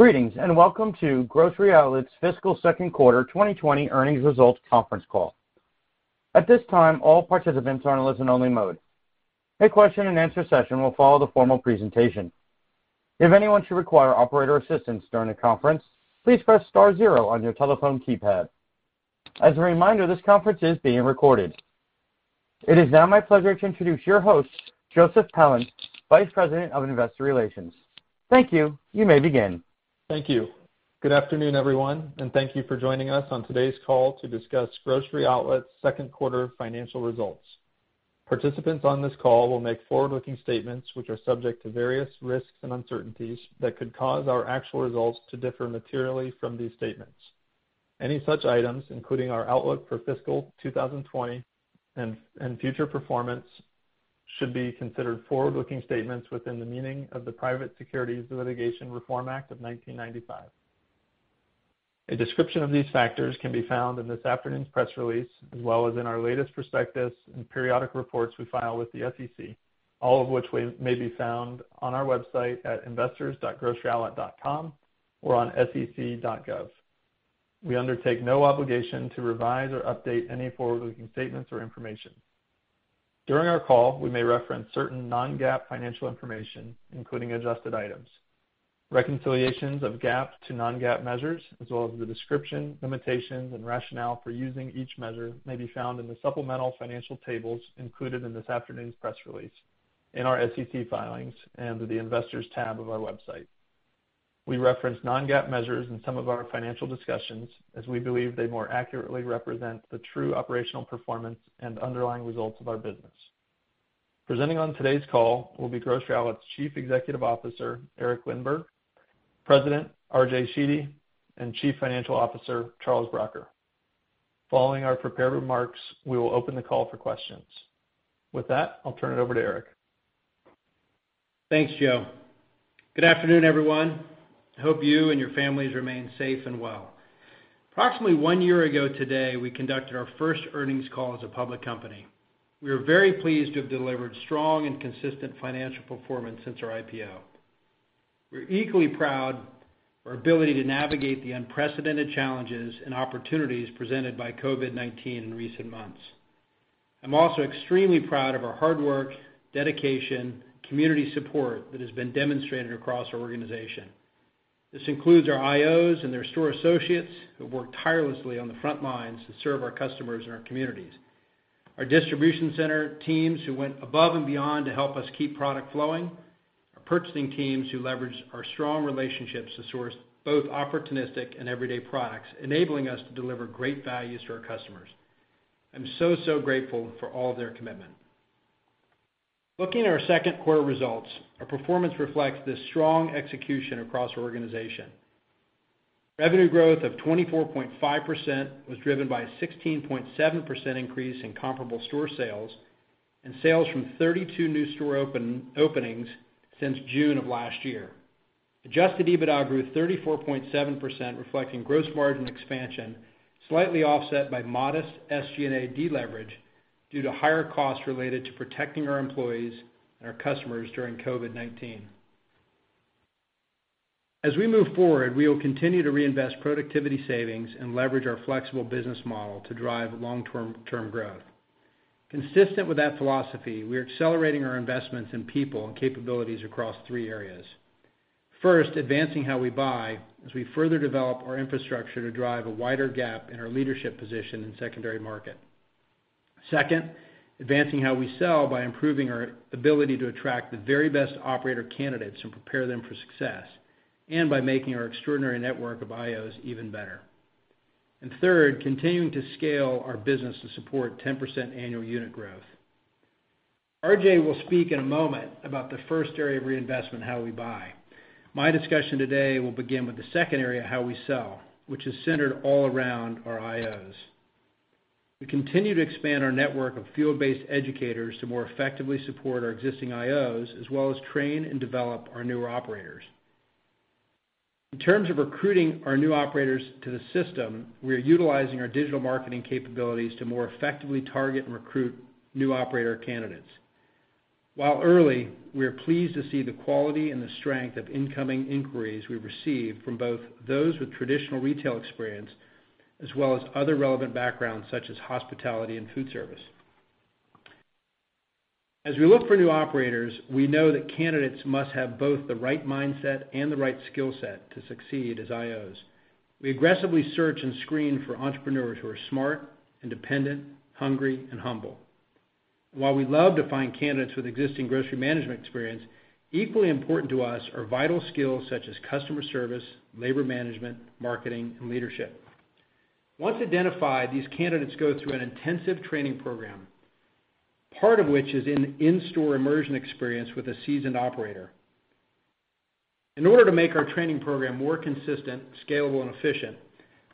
Greetings, welcome to Grocery Outlet's fiscal second quarter 2020 earnings results conference call. At this time, all participants are in listen only mode. A question and answer session will follow the formal presentation. If anyone should require operator assistance during the conference, please press star zero on your telephone keypad. As a reminder, this conference is being recorded. It is now my pleasure to introduce your host, Joseph Pelland, Vice President of Investor Relations. Thank you. You may begin. Thank you. Good afternoon, everyone, and thank you for joining us on today's call to discuss Grocery Outlet's second quarter financial results. Participants on this call will make forward-looking statements, which are subject to various risks and uncertainties that could cause our actual results to differ materially from these statements. Any such items, including our outlook for fiscal 2020 and future performance, should be considered forward-looking statements within the meaning of the Private Securities Litigation Reform Act of 1995. A description of these factors can be found in this afternoon's press release, as well as in our latest prospectus and periodic reports we file with the SEC, all of which may be found on our website at investors.groceryoutlet.com or on sec.gov. We undertake no obligation to revise or update any forward-looking statements or information. During our call, we may reference certain non-GAAP financial information, including adjusted items. Reconciliations of GAAP to non-GAAP measures, as well as the description, limitations, and rationale for using each measure may be found in the supplemental financial tables included in this afternoon's press release, in our SEC filings, and the Investors tab of our website. We reference non-GAAP measures in some of our financial discussions, as we believe they more accurately represent the true operational performance and underlying results of our business. Presenting on today's call will be Grocery Outlet's Chief Executive Officer, Eric Lindberg, President, R.J. Sheedy, and Chief Financial Officer, Charles Bracher. Following our prepared remarks, we will open the call for questions. With that, I'll turn it over to Eric. Thanks, Joe. Good afternoon, everyone. I hope you and your families remain safe and well. Approximately one year ago today, we conducted our first earnings call as a public company. We are very pleased to have delivered strong and consistent financial performance since our IPO. We're equally proud of our ability to navigate the unprecedented challenges and opportunities presented by COVID-19 in recent months. I'm also extremely proud of our hard work, dedication, community support that has been demonstrated across our organization. This includes our IOs and their store associates, who have worked tirelessly on the front lines to serve our customers and our communities, our distribution center teams who went above and beyond to help us keep product flowing, our purchasing teams who leveraged our strong relationships to source both opportunistic and everyday products, enabling us to deliver great value to our customers. I'm so grateful for all their commitment. Looking at our second quarter results, our performance reflects the strong execution across our organization. Revenue growth of 24.5% was driven by a 16.7% increase in comparable store sales and sales from 32 new store openings since June of last year. Adjusted EBITDA grew 34.7%, reflecting gross margin expansion, slightly offset by modest SG&A deleverage due to higher costs related to protecting our employees and our customers during COVID-19. As we move forward, we will continue to reinvest productivity savings and leverage our flexible business model to drive long-term growth. Consistent with that philosophy, we are accelerating our investments in people and capabilities across three areas. First, advancing how we buy as we further develop our infrastructure to drive a wider gap in our leadership position in secondary market. Second, advancing how we sell by improving our ability to attract the very best operator candidates and prepare them for success, and by making our extraordinary network of IOs even better. Third, continuing to scale our business to support 10% annual unit growth. R.J. will speak in a moment about the first area of reinvestment, how we buy. My discussion today will begin with the second area, how we sell, which is centered all around our IOs. We continue to expand our network of field-based educators to more effectively support our existing IOs, as well as train and develop our newer operators. In terms of recruiting our new operators to the system, we are utilizing our digital marketing capabilities to more effectively target and recruit new operator candidates. While early, we are pleased to see the quality and the strength of incoming inquiries we've received from both those with traditional retail experience, as well as other relevant backgrounds such as hospitality and food service. As we look for new operators, we know that candidates must have both the right mindset and the right skill set to succeed as IOs. We aggressively search and screen for entrepreneurs who are smart, independent, hungry, and humble. While we love to find candidates with existing grocery management experience, equally important to us are vital skills such as customer service, labor management, marketing, and leadership. Once identified, these candidates go through an intensive training program, part of which is an in-store immersion experience with a seasoned operator. In order to make our training program more consistent, scalable, and efficient,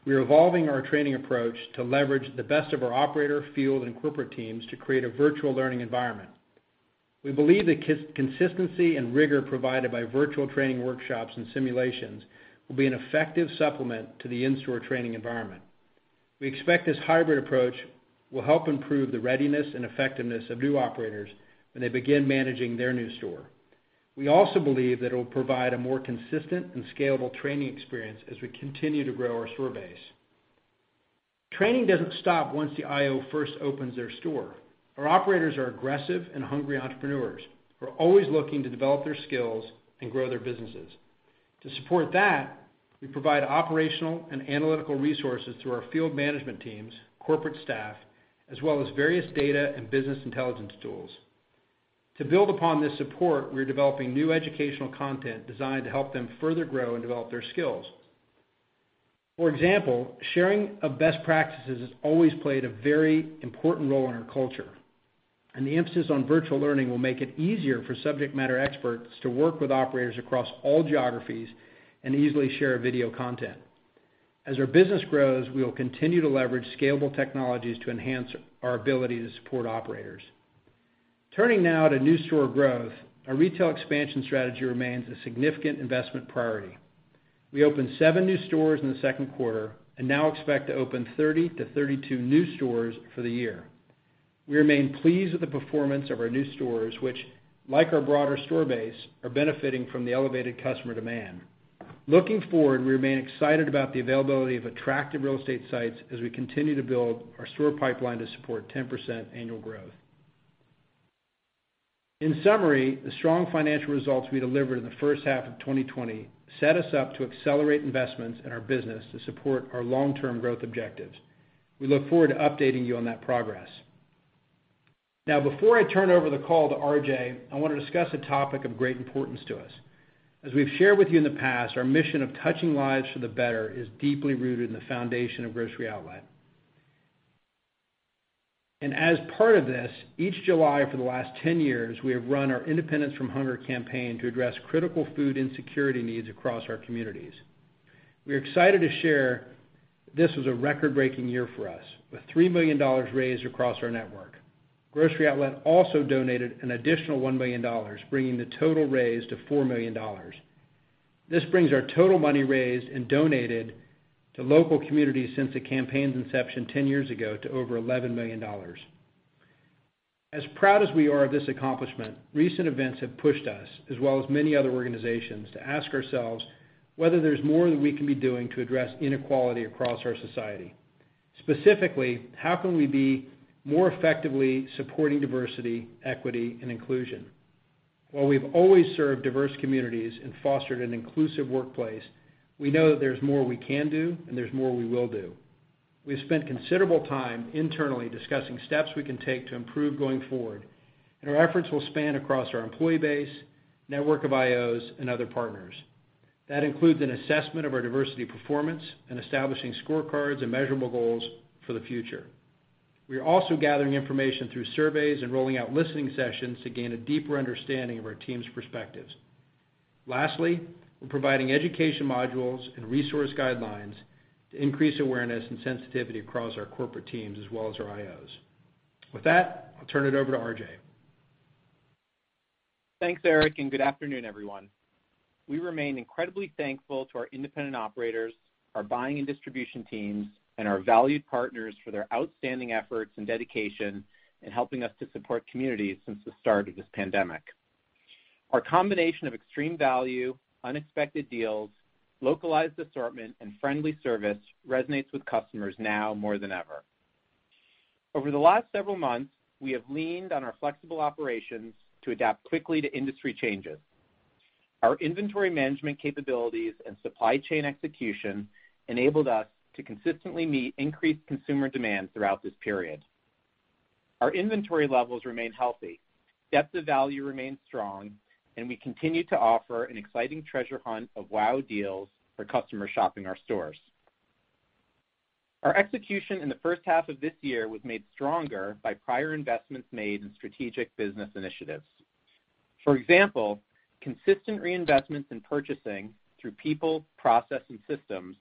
we are evolving our training approach to leverage the best of our operator, field, and corporate teams to create a virtual learning environment. We believe the consistency and rigor provided by virtual training workshops and simulations will be an effective supplement to the in-store training environment. We expect this hybrid approach will help improve the readiness and effectiveness of new operators when they begin managing their new store. We also believe that it'll provide a more consistent and scalable training experience as we continue to grow our store base. Training doesn't stop once the IO first opens their store. Our operators are aggressive and hungry entrepreneurs who are always looking to develop their skills and grow their businesses. To support that, we provide operational and analytical resources through our field management teams, corporate staff, as well as various data and business intelligence tools. To build upon this support, we're developing new educational content designed to help them further grow and develop their skills. For example, sharing of best practices has always played a very important role in our culture, and the emphasis on virtual learning will make it easier for subject matter experts to work with operators across all geographies and easily share video content. As our business grows, we will continue to leverage scalable technologies to enhance our ability to support operators. Turning now to new store growth, our retail expansion strategy remains a significant investment priority. We opened seven new stores in the second quarter and now expect to open 30 to 32 new stores for the year. We remain pleased with the performance of our new stores, which like our broader store base, are benefiting from the elevated customer demand. Looking forward, we remain excited about the availability of attractive real estate sites as we continue to build our store pipeline to support 10% annual growth. In summary, the strong financial results we delivered in the first half of 2020 set us up to accelerate investments in our business to support our long-term growth objectives. We look forward to updating you on that progress. Before I turn over the call to R.J., I want to discuss a topic of great importance to us. As we've shared with you in the past, our mission of touching lives for the better is deeply rooted in the foundation of Grocery Outlet. As part of this, each July for the last 10 years, we have run our Independence from Hunger campaign to address critical food insecurity needs across our communities. We are excited to share this was a record-breaking year for us, with $3 million raised across our network. Grocery Outlet also donated an additional $1 million, bringing the total raised to $4 million. This brings our total money raised and donated to local communities since the campaign's inception 10 years ago to over $11 million. As proud as we are of this accomplishment, recent events have pushed us, as well as many other organizations, to ask ourselves whether there's more that we can be doing to address inequality across our society. Specifically, how can we be more effectively supporting diversity, equity, and inclusion? While we've always served diverse communities and fostered an inclusive workplace, we know that there's more we can do and there's more we will do. We have spent considerable time internally discussing steps we can take to improve going forward, and our efforts will span across our employee base, network of IOs, and other partners. That includes an assessment of our diversity performance and establishing scorecards and measurable goals for the future. We are also gathering information through surveys and rolling out listening sessions to gain a deeper understanding of our team's perspectives. Lastly, we're providing education modules and resource guidelines to increase awareness and sensitivity across our corporate teams as well as our IOs. With that, I'll turn it over to R.J. Thanks, Eric. Good afternoon, everyone. We remain incredibly thankful to our independent operators, our buying and distribution teams, and our valued partners for their outstanding efforts and dedication in helping us to support communities since the start of this pandemic. Our combination of extreme value, unexpected deals, localized assortment, and friendly service resonates with customers now more than ever. Over the last several months, we have leaned on our flexible operations to adapt quickly to industry changes. Our inventory management capabilities and supply chain execution enabled us to consistently meet increased consumer demand throughout this period. Our inventory levels remain healthy, depth of value remains strong, and we continue to offer an exciting treasure hunt of wow deals for customers shopping our stores. Our execution in the first half of this year was made stronger by prior investments made in strategic business initiatives. For example, consistent reinvestments in purchasing through people, process, and systems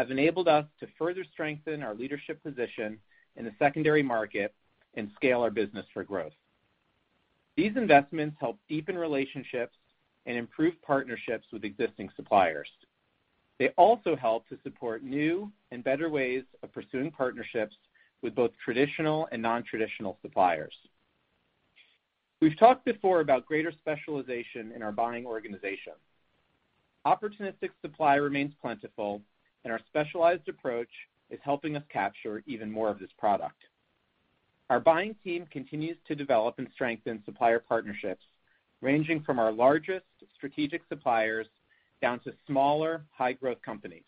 have enabled us to further strengthen our leadership position in the secondary market and scale our business for growth. These investments help deepen relationships and improve partnerships with existing suppliers. They also help to support new and better ways of pursuing partnerships with both traditional and non-traditional suppliers. We've talked before about greater specialization in our buying organization. Opportunistic supply remains plentiful, and our specialized approach is helping us capture even more of this product. Our buying team continues to develop and strengthen supplier partnerships, ranging from our largest strategic suppliers down to smaller, high-growth companies.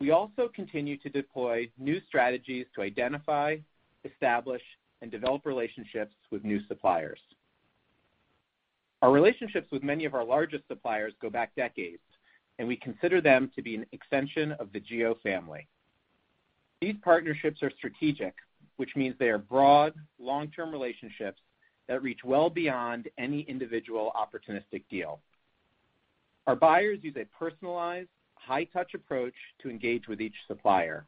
We also continue to deploy new strategies to identify, establish, and develop relationships with new suppliers. Our relationships with many of our largest suppliers go back decades, and we consider them to be an extension of the GO family. These partnerships are strategic, which means they are broad, long-term relationships that reach well beyond any individual opportunistic deal. Our buyers use a personalized, high-touch approach to engage with each supplier.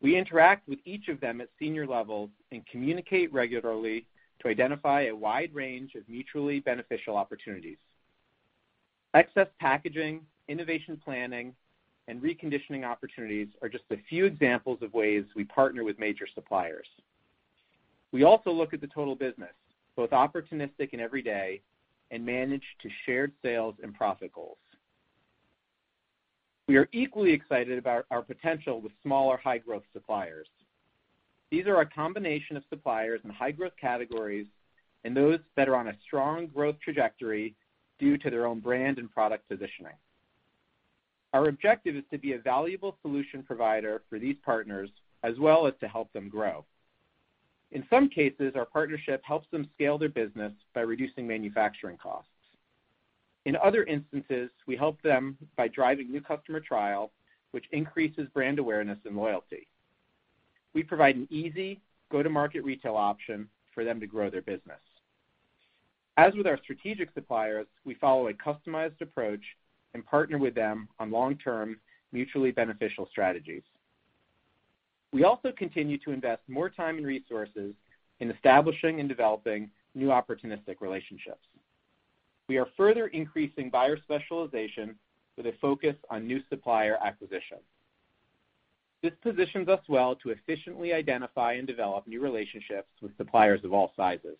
We interact with each of them at senior levels and communicate regularly to identify a wide range of mutually beneficial opportunities. Excess packaging, innovation planning, and reconditioning opportunities are just a few examples of ways we partner with major suppliers. We also look at the total business, both opportunistic and everyday, and manage to shared sales and profit goals. We are equally excited about our potential with smaller, high-growth suppliers. These are a combination of suppliers in high-growth categories and those that are on a strong growth trajectory due to their own brand and product positioning. Our objective is to be a valuable solution provider for these partners, as well as to help them grow. In some cases, our partnership helps them scale their business by reducing manufacturing costs. In other instances, we help them by driving new customer trial, which increases brand awareness and loyalty. We provide an easy go-to-market retail option for them to grow their business. As with our strategic suppliers, we follow a customized approach and partner with them on long-term, mutually beneficial strategies. We also continue to invest more time and resources in establishing and developing new opportunistic relationships. We are further increasing buyer specialization with a focus on new supplier acquisition. This positions us well to efficiently identify and develop new relationships with suppliers of all sizes.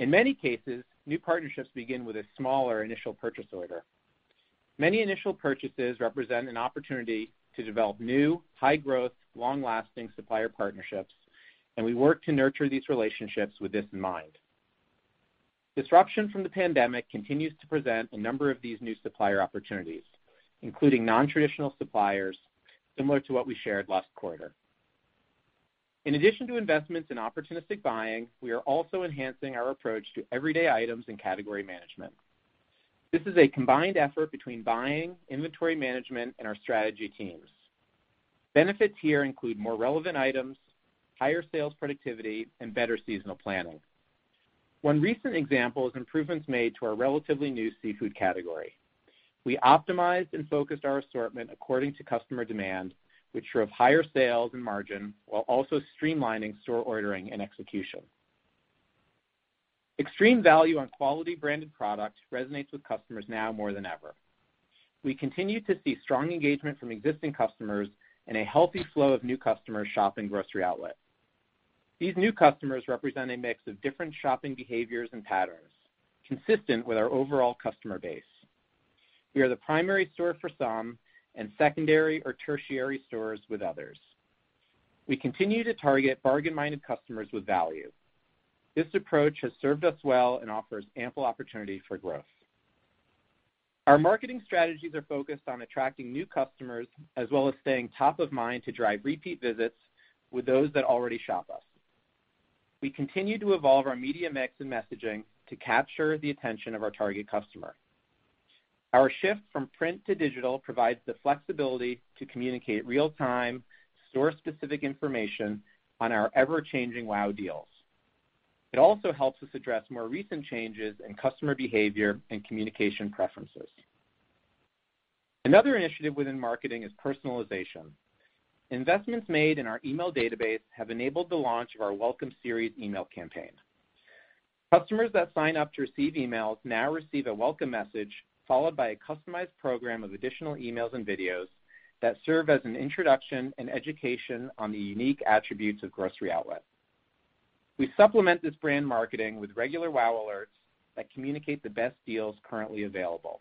In many cases, new partnerships begin with a smaller initial purchase order. Many initial purchases represent an opportunity to develop new, high-growth, long-lasting supplier partnerships, and we work to nurture these relationships with this in mind. Disruption from the pandemic continues to present a number of these new supplier opportunities, including non-traditional suppliers, similar to what we shared last quarter. In addition to investments in opportunistic buying, we are also enhancing our approach to everyday items and category management. This is a combined effort between buying, inventory management, and our strategy teams. Benefits here include more relevant items, higher sales productivity, and better seasonal planning. One recent example is improvements made to our relatively new seafood category. We optimized and focused our assortment according to customer demand, which drove higher sales and margin while also streamlining store ordering and execution. Extreme value on quality branded products resonates with customers now more than ever. We continue to see strong engagement from existing customers and a healthy flow of new customers shopping Grocery Outlet. These new customers represent a mix of different shopping behaviors and patterns, consistent with our overall customer base. We are the primary store for some and secondary or tertiary stores with others. We continue to target bargain-minded customers with value. This approach has served us well and offers ample opportunity for growth. Our marketing strategies are focused on attracting new customers, as well as staying top of mind to drive repeat visits with those that already shop us. We continue to evolve our media mix and messaging to capture the attention of our target customer. Our shift from print to digital provides the flexibility to communicate real-time, store-specific information on our ever-changing wow deals. It also helps us address more recent changes in customer behavior and communication preferences. Another initiative within marketing is personalization. Investments made in our email database have enabled the launch of our welcome series email campaign. Customers that sign up to receive emails now receive a welcome message, followed by a customized program of additional emails and videos that serve as an introduction and education on the unique attributes of Grocery Outlet. We supplement this brand marketing with regular WOW alerts that communicate the best deals currently available.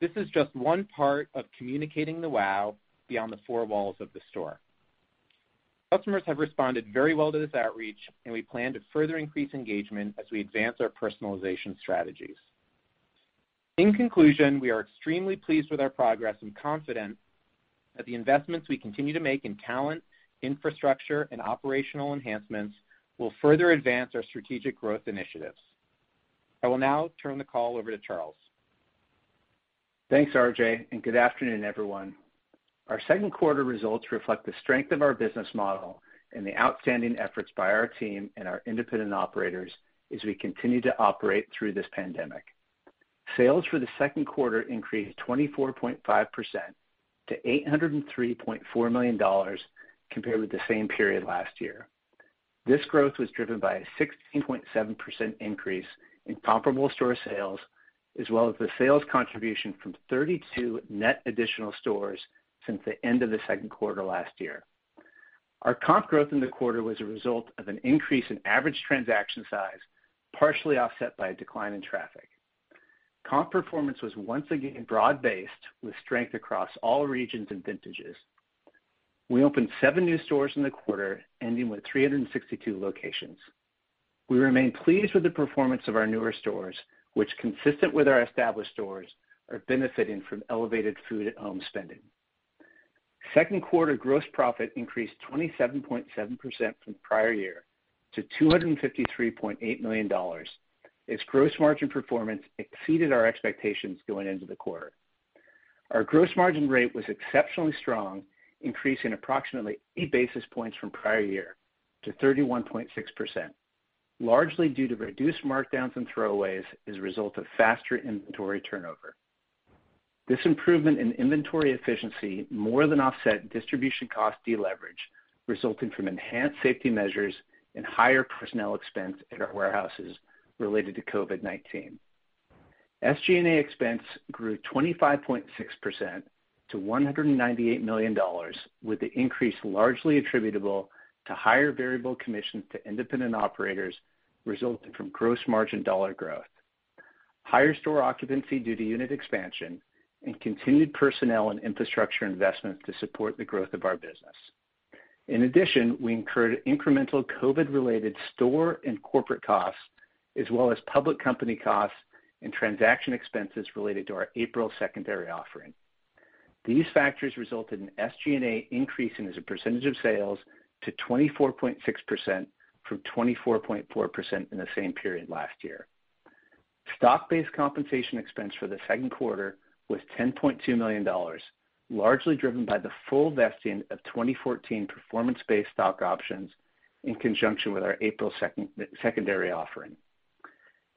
This is just one part of communicating the wow beyond the four walls of the store. Customers have responded very well to this outreach, and we plan to further increase engagement as we advance our personalization strategies. In conclusion, we are extremely pleased with our progress and confident that the investments we continue to make in talent, infrastructure, and operational enhancements will further advance our strategic growth initiatives. I will now turn the call over to Charles. Thanks, R.J. Good afternoon, everyone. Our second quarter results reflect the strength of our business model and the outstanding efforts by our team and our Independent Operators as we continue to operate through this pandemic. Sales for the second quarter increased 24.5% to $803.4 million compared with the same period last year. This growth was driven by a 16.7% increase in comparable store sales, as well as the sales contribution from 32 net additional stores since the end of the second quarter last year. Our comp growth in the quarter was a result of an increase in average transaction size, partially offset by a decline in traffic. Comp performance was once again broad-based, with strength across all regions and vintages. We opened seven new stores in the quarter, ending with 362 locations. We remain pleased with the performance of our newer stores, which, consistent with our established stores, are benefiting from elevated food at home spending. Second quarter gross profit increased 27.7% from prior year to $253.8 million. Its gross margin performance exceeded our expectations going into the quarter. Our gross margin rate was exceptionally strong, increasing approximately 80 basis points from prior year to 31.6%, largely due to reduced markdowns and throwaways as a result of faster inventory turnover. This improvement in inventory efficiency more than offset distribution cost deleverage resulting from enhanced safety measures and higher personnel expense at our warehouses related to COVID-19. SG&A expense grew 25.6% to $198 million, with the increase largely attributable to higher variable commissions to independent operators resulting from gross margin dollar growth, higher store occupancy due to unit expansion, and continued personnel and infrastructure investments to support the growth of our business. In addition, we incurred incremental COVID-19 related store and corporate costs, as well as public company costs and transaction expenses related to our April secondary offering. These factors resulted in SG&A increase as a percentage of sales to 24.6% from 24.4% in the same period last year. Stock-based compensation expense for the second quarter was $10.2 million, largely driven by the full vesting of 2014 performance-based stock options in conjunction with our April secondary offering.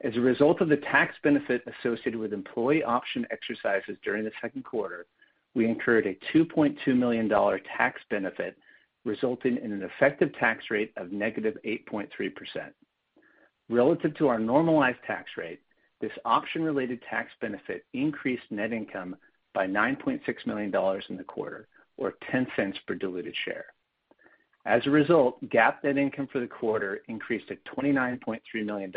As a result of the tax benefit associated with employee option exercises during the second quarter, we incurred a $2.2 million tax benefit, resulting in an effective tax rate of -8.3%. Relative to our normalized tax rate, this option related tax benefit increased net income by $9.6 million in the quarter, or $0.10 per diluted share. As a result, GAAP net income for the quarter increased to $29.3 million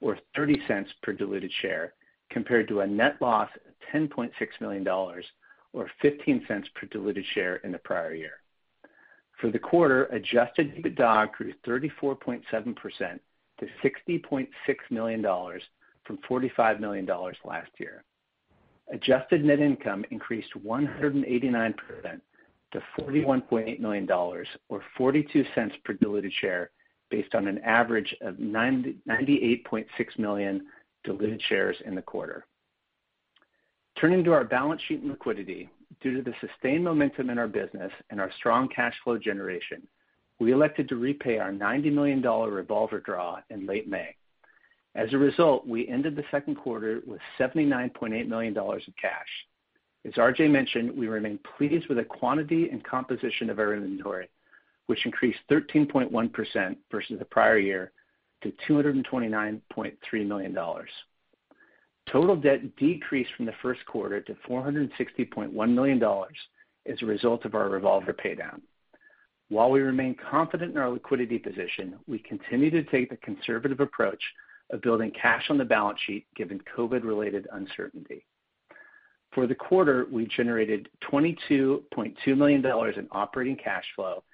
or $0.30 per diluted share, compared to a net loss of $10.6 million or $0.15 per diluted share in the prior year. For the quarter, adjusted EBITDA grew 34.7% to $60.6 million from $45 million last year. Adjusted net income increased 189% to $41.8 million or $0.42 per diluted share based on an average of 98.6 million diluted shares in the quarter. Turning to our balance sheet and liquidity, due to the sustained momentum in our business and our strong cash flow generation, we elected to repay our $90 million revolver draw in late May. As a result, we ended the second quarter with $79.8 million in cash. As R.J. mentioned, we remain pleased with the quantity and composition of our inventory, which increased 13.1% versus the prior year to $229.3 million. Total debt decreased from the first quarter to $460.1 million as a result of our revolver pay down. While we remain confident in our liquidity position, we continue to take the conservative approach of building cash on the balance sheet, given COVID-19 related uncertainty. For the quarter, we generated $22.2 million in operating cash flow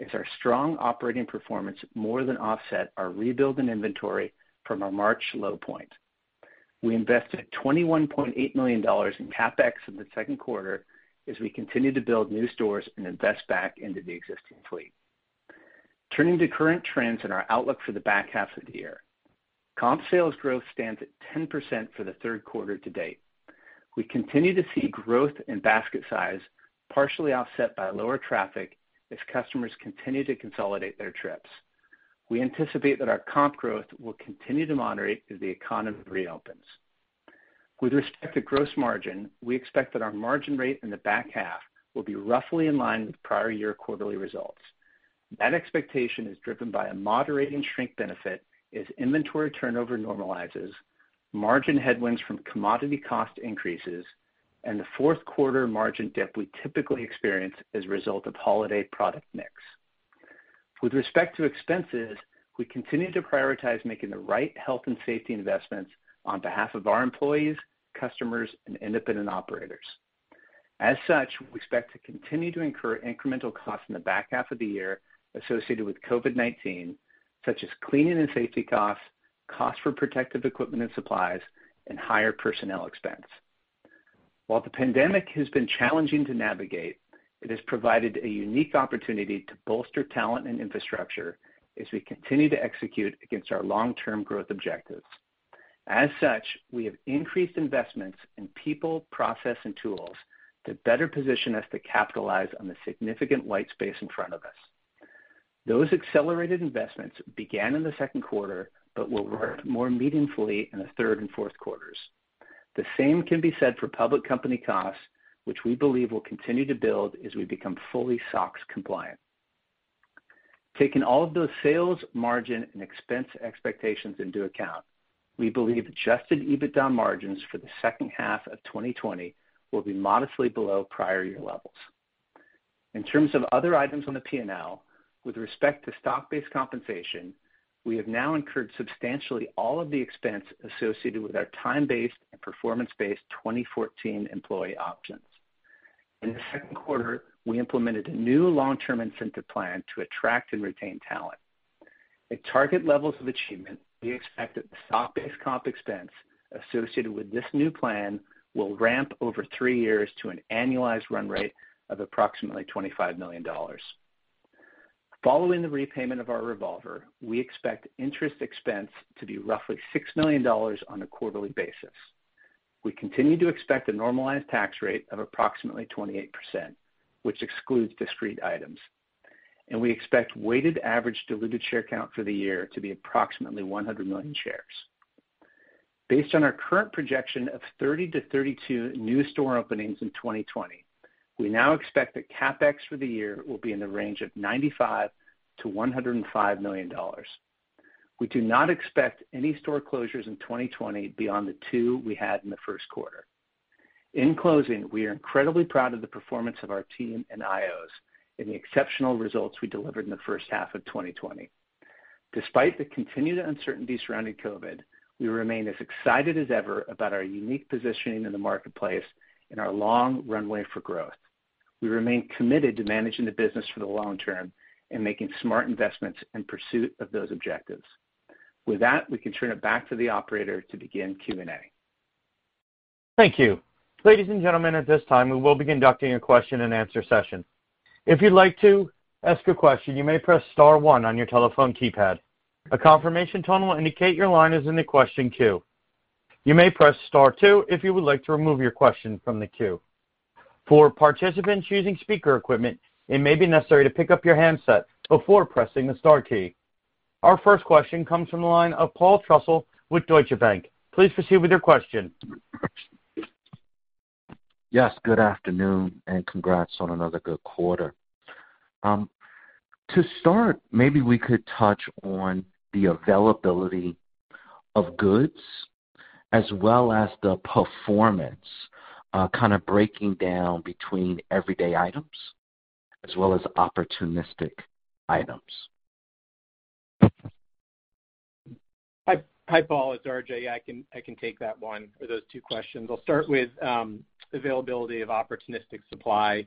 as our strong operating performance more than offset our rebuild in inventory from our March low point. We invested $21.8 million in CapEx in the second quarter as we continued to build new stores and invest back into the existing fleet. Turning to current trends and our outlook for the back half of the year. Comp sales growth stands at 10% for the third quarter to date. We continue to see growth in basket size partially offset by lower traffic as customers continue to consolidate their trips. We anticipate that our comp growth will continue to moderate as the economy reopens. With respect to gross margin, we expect that our margin rate in the back half will be roughly in line with prior year quarterly results. That expectation is driven by a moderating shrink benefit as inventory turnover normalizes, margin headwinds from commodity cost increases, and the fourth quarter margin dip we typically experience as a result of holiday product mix. With respect to expenses, we continue to prioritize making the right health and safety investments on behalf of our employees, customers, and Independent Operators. As such, we expect to continue to incur incremental costs in the back half of the year associated with COVID-19, such as cleaning and safety costs for protective equipment and supplies, and higher personnel expense. While the pandemic has been challenging to navigate, it has provided a unique opportunity to bolster talent and infrastructure as we continue to execute against our long-term growth objectives. As such, we have increased investments in people, process, and tools to better position us to capitalize on the significant white space in front of us. Those accelerated investments began in the second quarter but will ramp more meaningfully in the third and fourth quarters. The same can be said for public company costs, which we believe will continue to build as we become fully SOX compliant. Taking all of those sales, margin, and expense expectations into account, we believe adjusted EBITDA margins for the second half of 2020 will be modestly below prior year levels. In terms of other items on the P&L, with respect to stock-based compensation, we have now incurred substantially all of the expense associated with our time-based and performance-based 2014 employee options. In the second quarter, we implemented a new long-term incentive plan to attract and retain talent. At target levels of achievement, we expect that the stock-based comp expense associated with this new plan will ramp over three years to an annualized run rate of approximately $25 million. Following the repayment of our revolver, we expect interest expense to be roughly $6 million on a quarterly basis. We continue to expect a normalized tax rate of approximately 28%, which excludes discrete items. We expect weighted average diluted share count for the year to be approximately 100 million shares. Based on our current projection of 30 to 32 new store openings in 2020, we now expect that CapEx for the year will be in the range of $95 million-$105 million. We do not expect any store closures in 2020 beyond the two we had in the first quarter. In closing, we are incredibly proud of the performance of our team and IOs, and the exceptional results we delivered in the first half of 2020. Despite the continued uncertainty surrounding COVID, we remain as excited as ever about our unique positioning in the marketplace and our long runway for growth. We remain committed to managing the business for the long term and making smart investments in pursuit of those objectives. With that, we can turn it back to the operator to begin Q&A. Thank you. Ladies and gentlemen at this time, we will be conducting a question and answer session. If you'd like to ask a question, you may press star one on your telephone keypad. A confirmation tone will indicate your line is in the question queue. You may press star two if you would like to remove your question from the queue. For participants using speaker equipment, it may be necessary to pick up your handset before pressing the star key. Our first question comes from the line of Paul Trussell with Deutsche Bank. Please proceed with your question. Yes, good afternoon, and congrats on another good quarter. To start, maybe we could touch on the availability of goods as well as the performance, kind of breaking down between everyday items as well as opportunistic items. Hi, Paul. It's R.J. I can take that one or those two questions. I'll start with availability of opportunistic supply.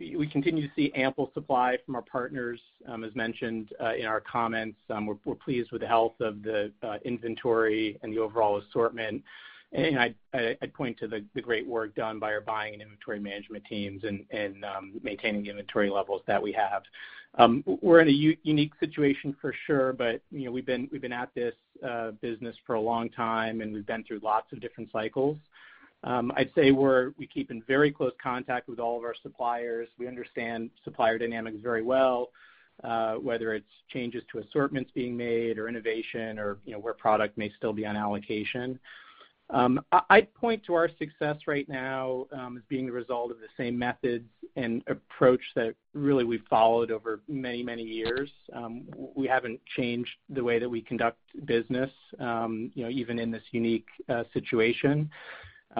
We continue to see ample supply from our partners, as mentioned in our comments. We're pleased with the health of the inventory and the overall assortment. I'd point to the great work done by our buying and inventory management teams in maintaining the inventory levels that we have. We're in a unique situation for sure, we've been at this business for a long time, and we've been through lots of different cycles. I'd say we keep in very close contact with all of our suppliers. We understand supplier dynamics very well, whether it's changes to assortments being made or innovation or where product may still be on allocation. I'd point to our success right now as being the result of the same methods and approach that really we've followed over many, many years. We haven't changed the way that we conduct business even in this unique situation.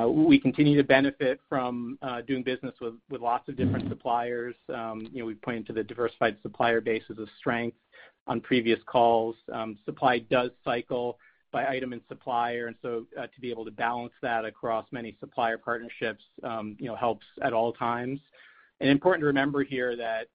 We continue to benefit from doing business with lots of different suppliers. We've pointed to the diversified supplier base as a strength on previous calls. Supply does cycle by item and supplier, and so to be able to balance that across many supplier partnerships helps at all times. Important to remember here that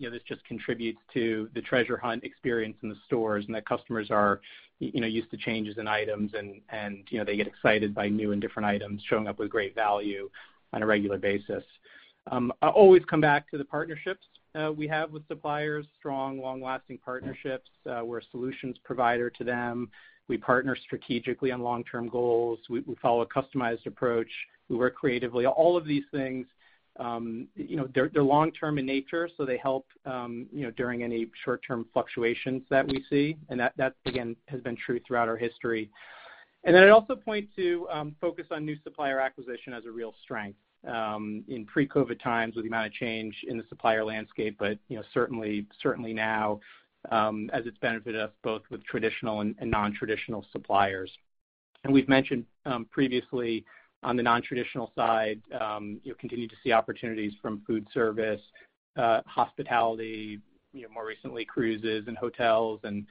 this just contributes to the treasure hunt experience in the stores and that customers are used to changes in items and they get excited by new and different items showing up with great value on a regular basis. I always come back to the partnerships we have with suppliers, strong, long-lasting partnerships. We're a solutions provider to them. We partner strategically on long-term goals. We follow a customized approach. We work creatively. All of these things, they're long-term in nature, so they help during any short-term fluctuations that we see. That, again, has been true throughout our history. I'd also point to focus on new supplier acquisition as a real strength. In pre-COVID times with the amount of change in the supplier landscape, but certainly now as it's benefited us both with traditional and non-traditional suppliers. We've mentioned previously on the non-traditional side, continue to see opportunities from food service, hospitality, more recently cruises and hotels and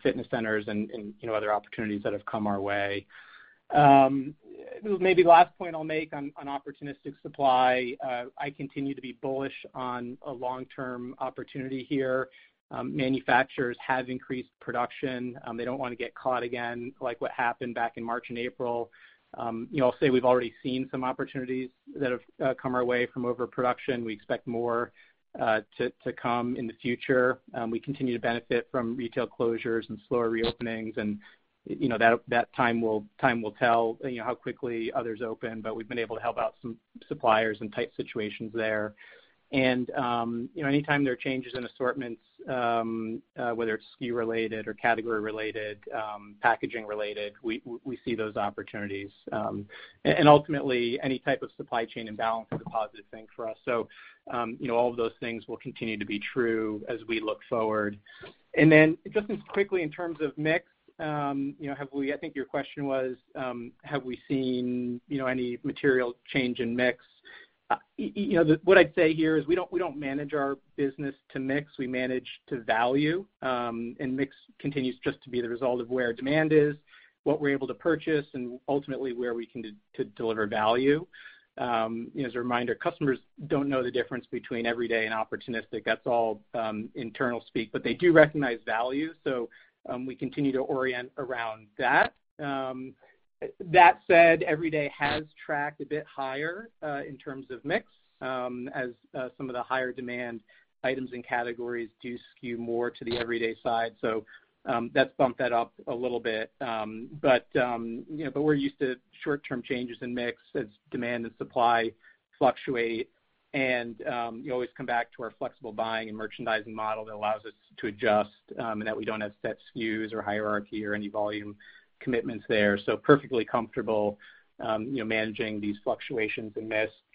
fitness centers and other opportunities that have come our way. Maybe the last point I'll make on opportunistic supply, I continue to be bullish on a long-term opportunity here. Manufacturers have increased production. They don't want to get caught again, like what happened back in March and April. I'll say we've already seen some opportunities that have come our way from overproduction. We expect more to come in the future. We continue to benefit from retail closures and slower reopenings. That time will tell how quickly others open, but we've been able to help out some suppliers in tight situations there. Anytime there are changes in assortments, whether it's SKU related or category related, packaging related, we see those opportunities. Ultimately, any type of supply chain imbalance is a positive thing for us. All of those things will continue to be true as we look forward. Just as quickly in terms of mix, I think your question was, have we seen any material change in mix? What I'd say here is we don't manage our business to mix. We manage to value, and mix continues just to be the result of where demand is, what we're able to purchase, and ultimately where we can deliver value. As a reminder, customers don't know the difference between everyday and opportunistic. That's all internal speak. They do recognize value. We continue to orient around that. That said, everyday has tracked a bit higher in terms of mix as some of the higher demand items and categories do skew more to the everyday side. That's bumped that up a little bit. We're used to short-term changes in mix as demand and supply fluctuate. You always come back to our flexible buying and merchandising model that allows us to adjust, and that we don't have set SKUs or hierarchy or any volume commitments there. Perfectly comfortable managing these fluctuations in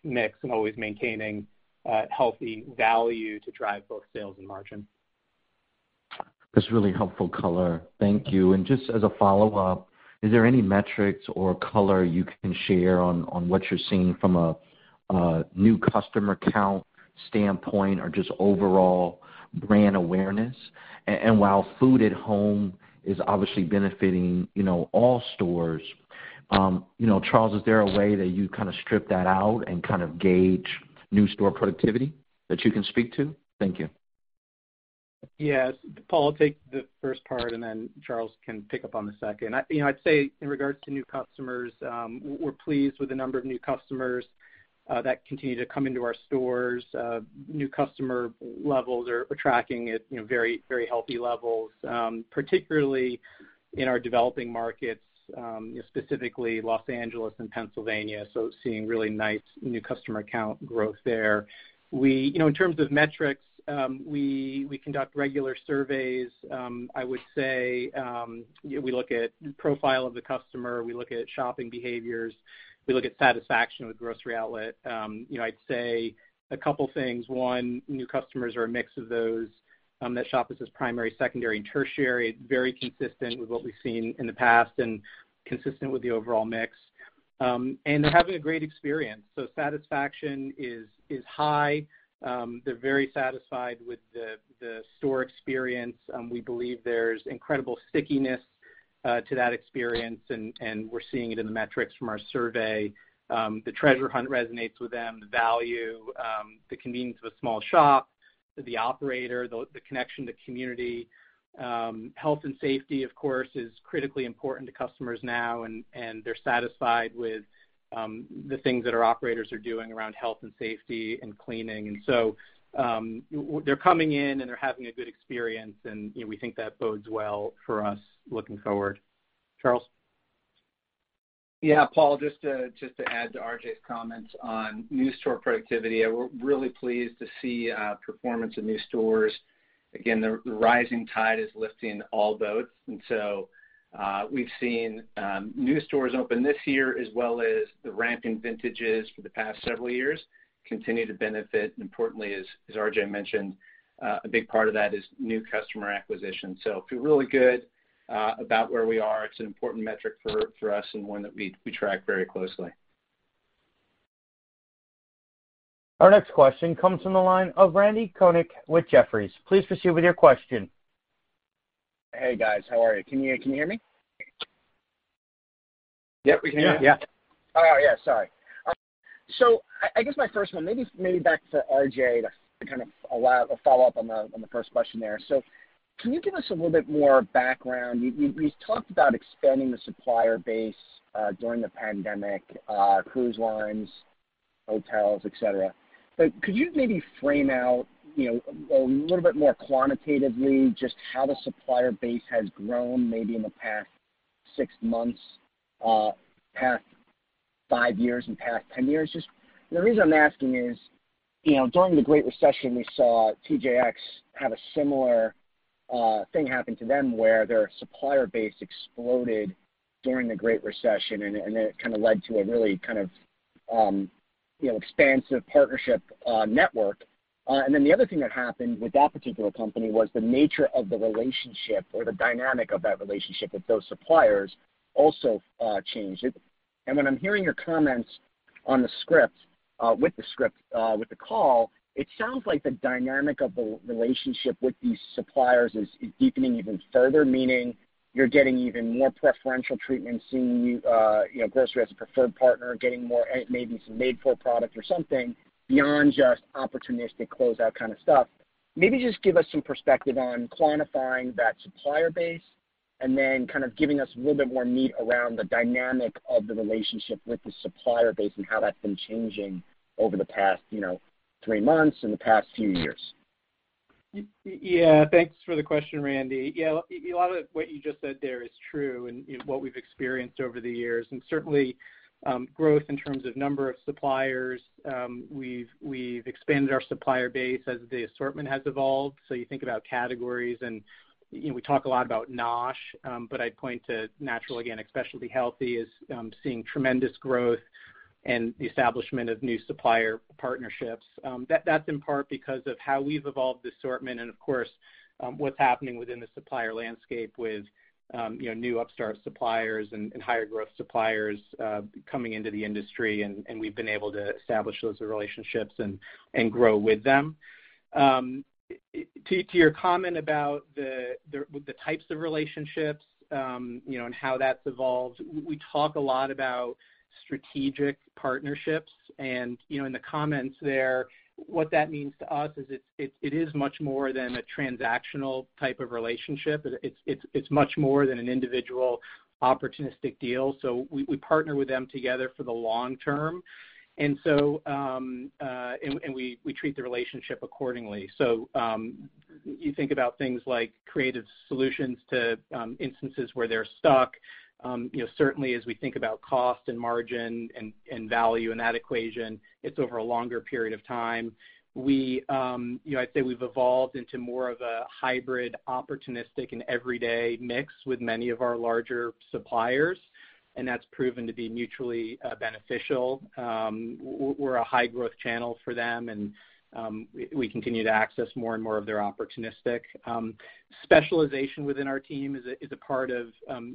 mix and always maintaining healthy value to drive both sales and margin. That's really helpful color. Thank you. Just as a follow-up, is there any metrics or color you can share on what you're seeing from a new customer count standpoint or just overall brand awareness? While food at home is obviously benefiting all stores, Charles, is there a way that you strip that out and gauge new store productivity that you can speak to? Thank you. Yes. Paul, I'll take the first part. Then Charles can pick up on the second. I'd say in regards to new customers, we're pleased with the number of new customers that continue to come into our stores. New customer levels are tracking at very healthy levels, particularly in our developing markets, specifically Los Angeles and Pennsylvania, so seeing really nice new customer count growth there. In terms of metrics, we conduct regular surveys. I would say, we look at profile of the customer, we look at shopping behaviors, we look at satisfaction with Grocery Outlet. I'd say a couple things. One, new customers are a mix of those that shop as his primary, secondary, and tertiary. Very consistent with what we've seen in the past and consistent with the overall mix. They're having a great experience, so satisfaction is high. They're very satisfied with the store experience, and we believe there's incredible stickiness to that experience and we're seeing it in the metrics from our survey. The treasure hunt resonates with them, the value, the convenience of a small shop, the operator, the connection to community. Health and safety, of course, is critically important to customers now, and they're satisfied with the things that our operators are doing around health and safety and cleaning. They're coming in, and they're having a good experience, and we think that bodes well for us looking forward. Charles? Paul, just to add to R.J.'s comments on new store productivity, we're really pleased to see performance in new stores. The rising tide is lifting all boats. We've seen new stores open this year as well as the ramped vintages for the past several years continue to benefit. Importantly, as R.J. mentioned, a big part of that is new customer acquisition. Feel really good about where we are. It's an important metric for us and one that we track very closely. Our next question comes from the line of Randy Konik with Jefferies. Please proceed with your question. Hey, guys. How are you? Can you hear me? Yep, we can. Yeah. Oh, yeah. Sorry. I guess my first one, maybe back to R.J. to kind of a follow-up on the first question there. Can you give us a little bit more background? You talked about expanding the supplier base during the pandemic, cruise lines, hotels, et cetera. Could you maybe frame out a little bit more quantitatively just how the supplier base has grown, maybe in the past six months, past five years, and past 10 years? Just the reason I'm asking is, during the Great Recession, we saw TJX have a similar thing happen to them where their supplier base exploded during the Great Recession, and it kind of led to a really expansive partnership network. Then the other thing that happened with that particular company was the nature of the relationship or the dynamic of that relationship with those suppliers also changed. When I'm hearing your comments with the script with the call, it sounds like the dynamic of the relationship with these suppliers is deepening even further, meaning you're getting even more preferential treatment, seeing Grocery Outlet as a preferred partner, getting maybe some made-for product or something beyond just opportunistic closeout kind of stuff. Maybe just give us some perspective on quantifying that supplier base and then kind of giving us a little bit more meat around the dynamic of the relationship with the supplier base and how that's been changing over the past three months and the past few years. Thanks for the question, Randy. A lot of what you just said there is true in what we've experienced over the years. Certainly, growth in terms of number of suppliers, we've expanded our supplier base as the assortment has evolved. You think about categories, and we talk a lot about NOSH, but I'd point to Natural, Organic, Specialty, Healthy is seeing tremendous growth and the establishment of new supplier partnerships. That's in part because of how we've evolved the assortment and, of course, what's happening within the supplier landscape with new upstart suppliers and higher growth suppliers coming into the industry, and we've been able to establish those relationships and grow with them. To your comment about the types of relationships, and how that's evolved, we talk a lot about strategic partnerships. In the comments there, what that means to us is it is much more than a transactional type of relationship. It's much more than an individual opportunistic deal. We partner with them together for the long term. We treat the relationship accordingly. You think about things like creative solutions to instances where they're stuck. Certainly, as we think about cost and margin and value in that equation, it's over a longer period of time. I'd say we've evolved into more of a hybrid, opportunistic, and everyday mix with many of our larger suppliers, and that's proven to be mutually beneficial. We're a high growth channel for them, and we continue to access more and more of their opportunistic. Specialization within our team is a part of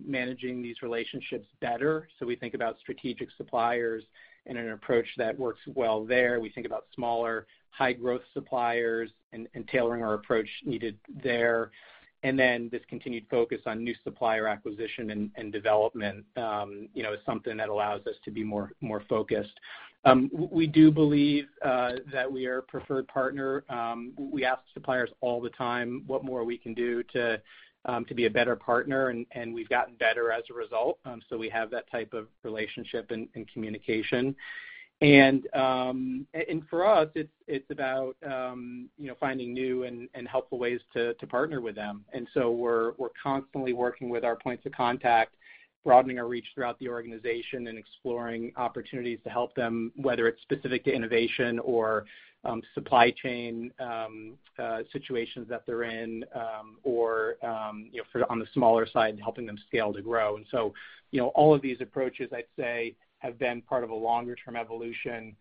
managing these relationships better. We think about strategic suppliers and an approach that works well there. We think about smaller, high growth suppliers and tailoring our approach needed there. This continued focus on new supplier acquisition and development is something that allows us to be more focused. We do believe that we are a preferred partner. We ask suppliers all the time what more we can do to be a better partner, and we've gotten better as a result. We have that type of relationship and communication. For us, it's about finding new and helpful ways to partner with them. We're constantly working with our points of contact, broadening our reach throughout the organization and exploring opportunities to help them, whether it's specific to innovation or supply chain situations that they're in, or on the smaller side, helping them scale to grow. All of these approaches, I'd say, have been part of a longer term evolution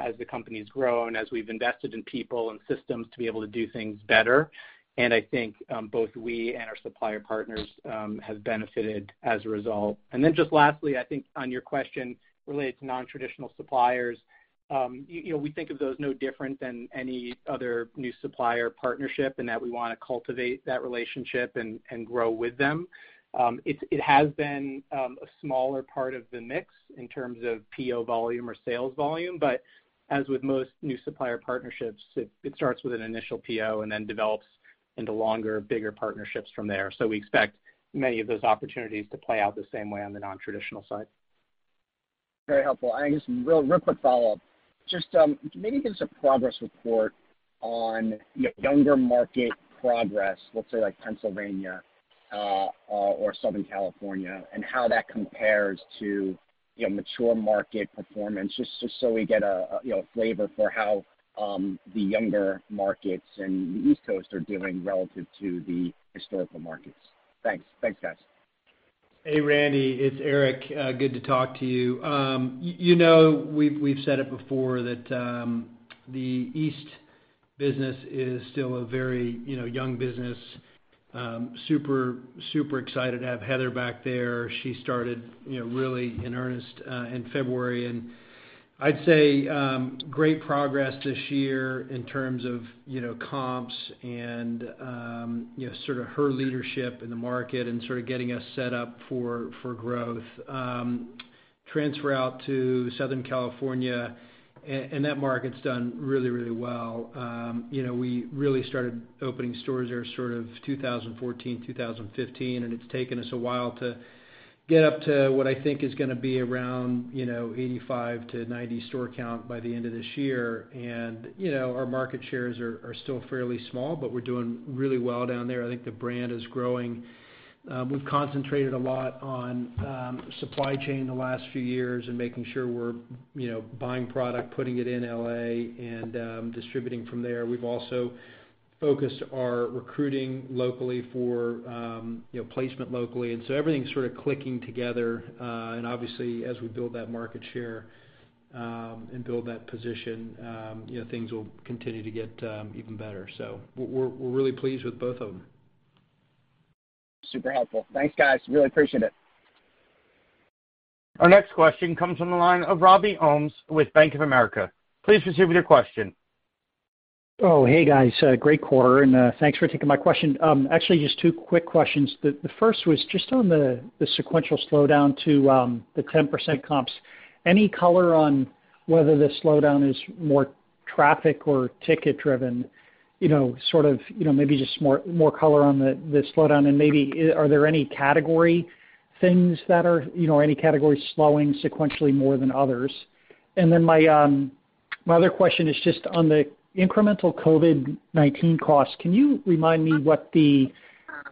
as the company's grown, as we've invested in people and systems to be able to do things better. I think both we and our supplier partners have benefited as a result. Just lastly, I think on your question related to non-traditional suppliers, we think of those no different than any other new supplier partnership, and that we want to cultivate that relationship and grow with them. It has been a smaller part of the mix in terms of PO volume or sales volume, but as with most new supplier partnerships, it starts with an initial PO and then develops into longer, bigger partnerships from there. We expect many of those opportunities to play out the same way on the non-traditional side. Very helpful. I guess real quick follow-up, just maybe give us a progress report on younger market progress, let's say like Pennsylvania or Southern California, and how that compares to mature market performance, just so we get a flavor for how the younger markets and the East Coast are doing relative to the historical markets. Thanks. Thanks, guys. Hey, Randy, it's Eric. Good to talk to you. You know we've said it before that the East business is still a very young business. Super excited to have Heather back there. She started really in earnest in February. I'd say great progress this year in terms of comps and sort of her leadership in the market and sort of getting us set up for growth. Transfer out to Southern California. That market's done really, really well. We really started opening stores there sort of 2014, 2015. It's taken us a while to get up to what I think is going to be around 85-90 store count by the end of this year. Our market shares are still fairly small. We're doing really well down there. I think the brand is growing. We've concentrated a lot on supply chain the last few years and making sure we're buying product, putting it in L.A., and distributing from there. We've also focused our recruiting locally for placement locally. Everything's sort of clicking together. Obviously, as we build that market share and build that position, things will continue to get even better. We're really pleased with both of them. Super helpful. Thanks, guys. Really appreciate it. Our next question comes from the line of Robbie Ohmes with Bank of America. Please proceed with your question. Oh, hey, guys. Great quarter. Thanks for taking my question. Actually, just two quick questions. The first was just on the sequential slowdown to the 10% comps. Any color on whether the slowdown is more traffic or ticket driven? Sort of maybe just more color on the slowdown. Maybe are there any category things, any category slowing sequentially more than others? My other question is just on the incremental COVID-19 costs. Can you remind me what the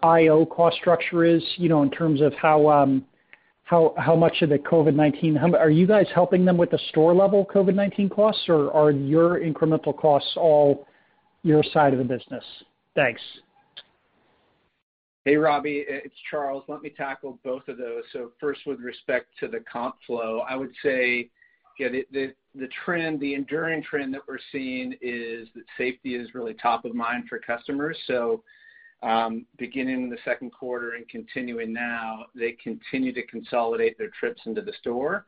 IO cost structure is, in terms of how much of the COVID-19, are you guys helping them with the store level COVID-19 costs, or are your incremental costs all your side of the business? Thanks. Hey, Robbie, it's Charles. Let me tackle both of those. First, with respect to the comp flow, I would say, the enduring trend that we're seeing is that safety is really top of mind for customers. Beginning the second quarter and continuing now, they continue to consolidate their trips into the store.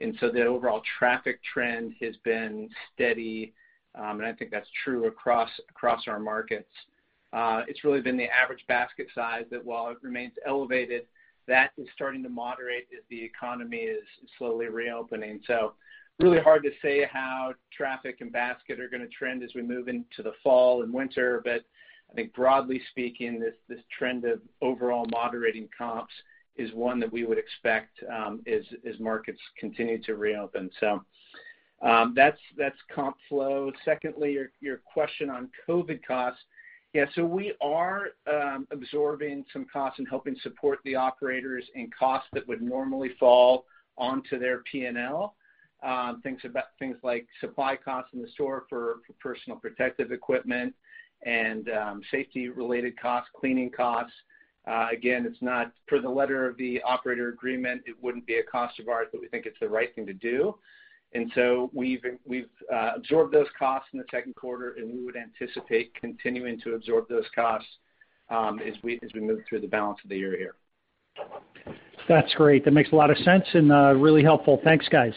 The overall traffic trend has been steady, and I think that's true across our markets. It's really been the average basket size that while it remains elevated, that is starting to moderate as the economy is slowly reopening. Really hard to say how traffic and basket are going to trend as we move into the fall and winter. I think broadly speaking, this trend of overall moderating comps is one that we would expect as markets continue to reopen. That's comp flow. Secondly, your question on COVID costs. We are absorbing some costs and helping support the operators in costs that would normally fall onto their P&L. Things like supply costs in the store for personal protective equipment and safety related costs, cleaning costs. Per the letter of the operator agreement, it wouldn't be a cost of ours, but we think it's the right thing to do. We've absorbed those costs in the second quarter, and we would anticipate continuing to absorb those costs as we move through the balance of the year here. That's great. That makes a lot of sense and really helpful. Thanks, guys.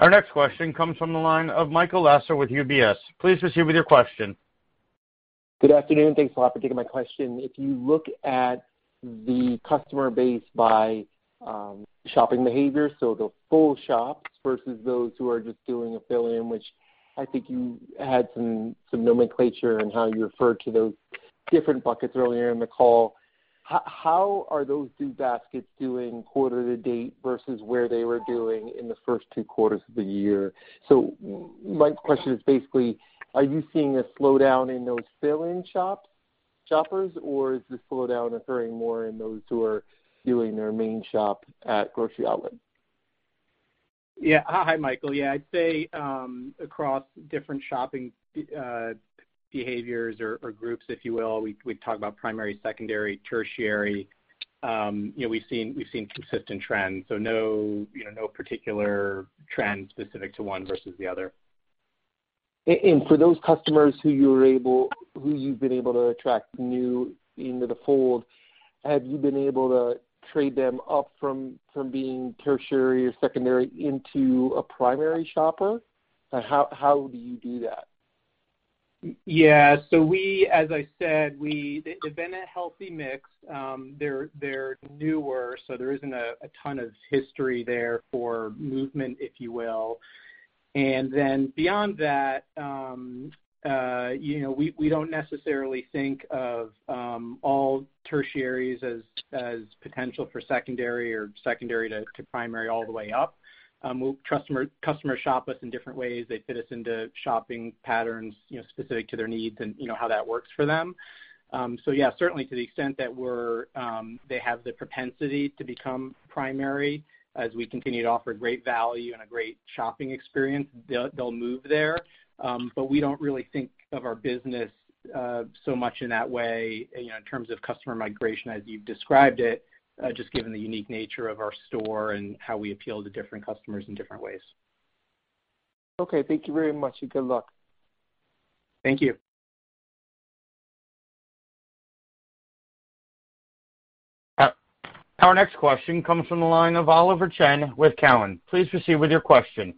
Our next question comes from the line of Michael Lasser with UBS. Please proceed with your question. Good afternoon. Thanks a lot for taking my question. If you look at the customer base by shopping behavior, so the full shops versus those who are just doing a fill-in, which I think you had some nomenclature on how you referred to those different buckets earlier in the call. How are those two baskets doing quarter to date versus where they were doing in the first two quarters of the year? My question is basically, are you seeing a slowdown in those fill-in shoppers, or is the slowdown occurring more in those who are doing their main shop at Grocery Outlet? Hi, Michael. I'd say, across different shopping behaviors or groups, if you will, we talk about primary, secondary, tertiary. We've seen consistent trends, so no particular trend specific to one versus the other. For those customers who you've been able to attract new into the fold, have you been able to trade them up from being tertiary or secondary into a primary shopper? How do you do that? As I said, they've been a healthy mix. They're newer, there isn't a ton of history there for movement, if you will. Beyond that, we don't necessarily think of all tertiaries as potential for secondary or secondary to primary all the way up. Customers shop us in different ways. They fit us into shopping patterns specific to their needs and how that works for them. Yeah, certainly to the extent that they have the propensity to become primary as we continue to offer great value and a great shopping experience, they'll move there. We don't really think of our business so much in that way in terms of customer migration as you've described it, just given the unique nature of our store and how we appeal to different customers in different ways. Okay. Thank you very much, and good luck. Thank you. Our next question comes from the line of Oliver Chen with Cowen. Please proceed with your question.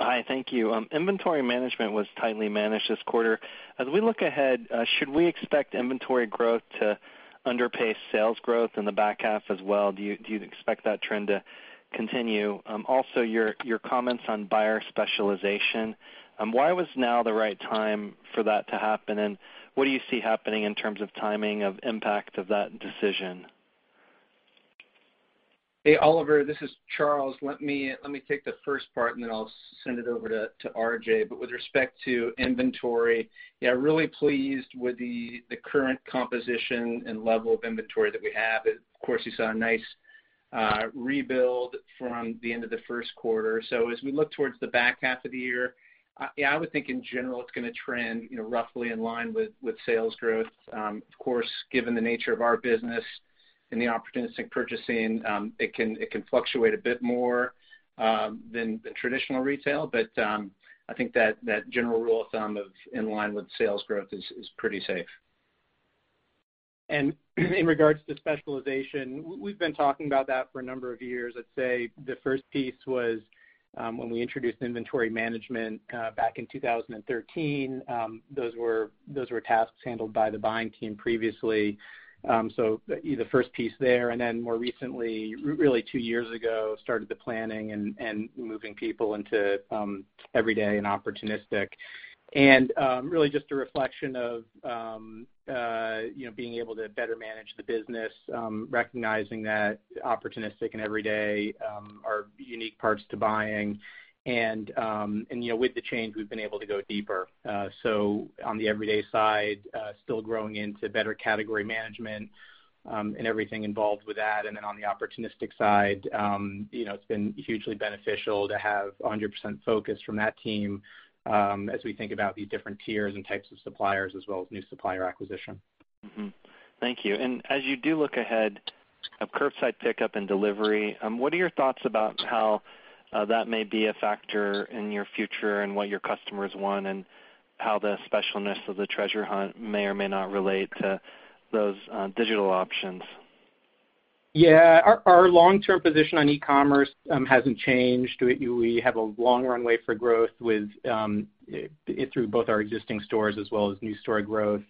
Hi, thank you. Inventory management was tightly managed this quarter. As we look ahead, should we expect inventory growth to underpace sales growth in the back half as well? Do you expect that trend to continue? Also, your comments on buyer specialization, why was now the right time for that to happen, and what do you see happening in terms of timing of impact of that decision? Hey, Oliver, this is Charles. Let me take the first part, and then I'll send it over to R.J. With respect to inventory, yeah, really pleased with the current composition and level of inventory that we have. Of course, you saw a nice rebuild from the end of the first quarter. As we look towards the back half of the year, yeah, I would think in general, it's going to trend roughly in line with sales growth. Of course, given the nature of our business and the opportunistic purchasing, it can fluctuate a bit more than traditional retail. I think that general rule of thumb of in line with sales growth is pretty safe. In regards to specialization, we've been talking about that for a number of years. I'd say the first piece was when we introduced inventory management back in 2013. Those were tasks handled by the buying team previously. The first piece there, and then more recently, really two years ago, started the planning and moving people into everyday and opportunistic. Really just a reflection of being able to better manage the business, recognizing that opportunistic and everyday are unique parts to buying. With the change, we've been able to go deeper. On the everyday side, still growing into better category management, and everything involved with that. On the opportunistic side, it's been hugely beneficial to have 100% focus from that team as we think about these different tiers and types of suppliers as well as new supplier acquisition. Thank you. As you do look ahead of curbside pickup and delivery, what are your thoughts about how that may be a factor in your future and what your customers want, and how the specialness of the treasure hunt may or may not relate to those digital options? Yeah. Our long-term position on e-commerce hasn't changed. We have a long runway for growth through both our existing stores as well as new store growth.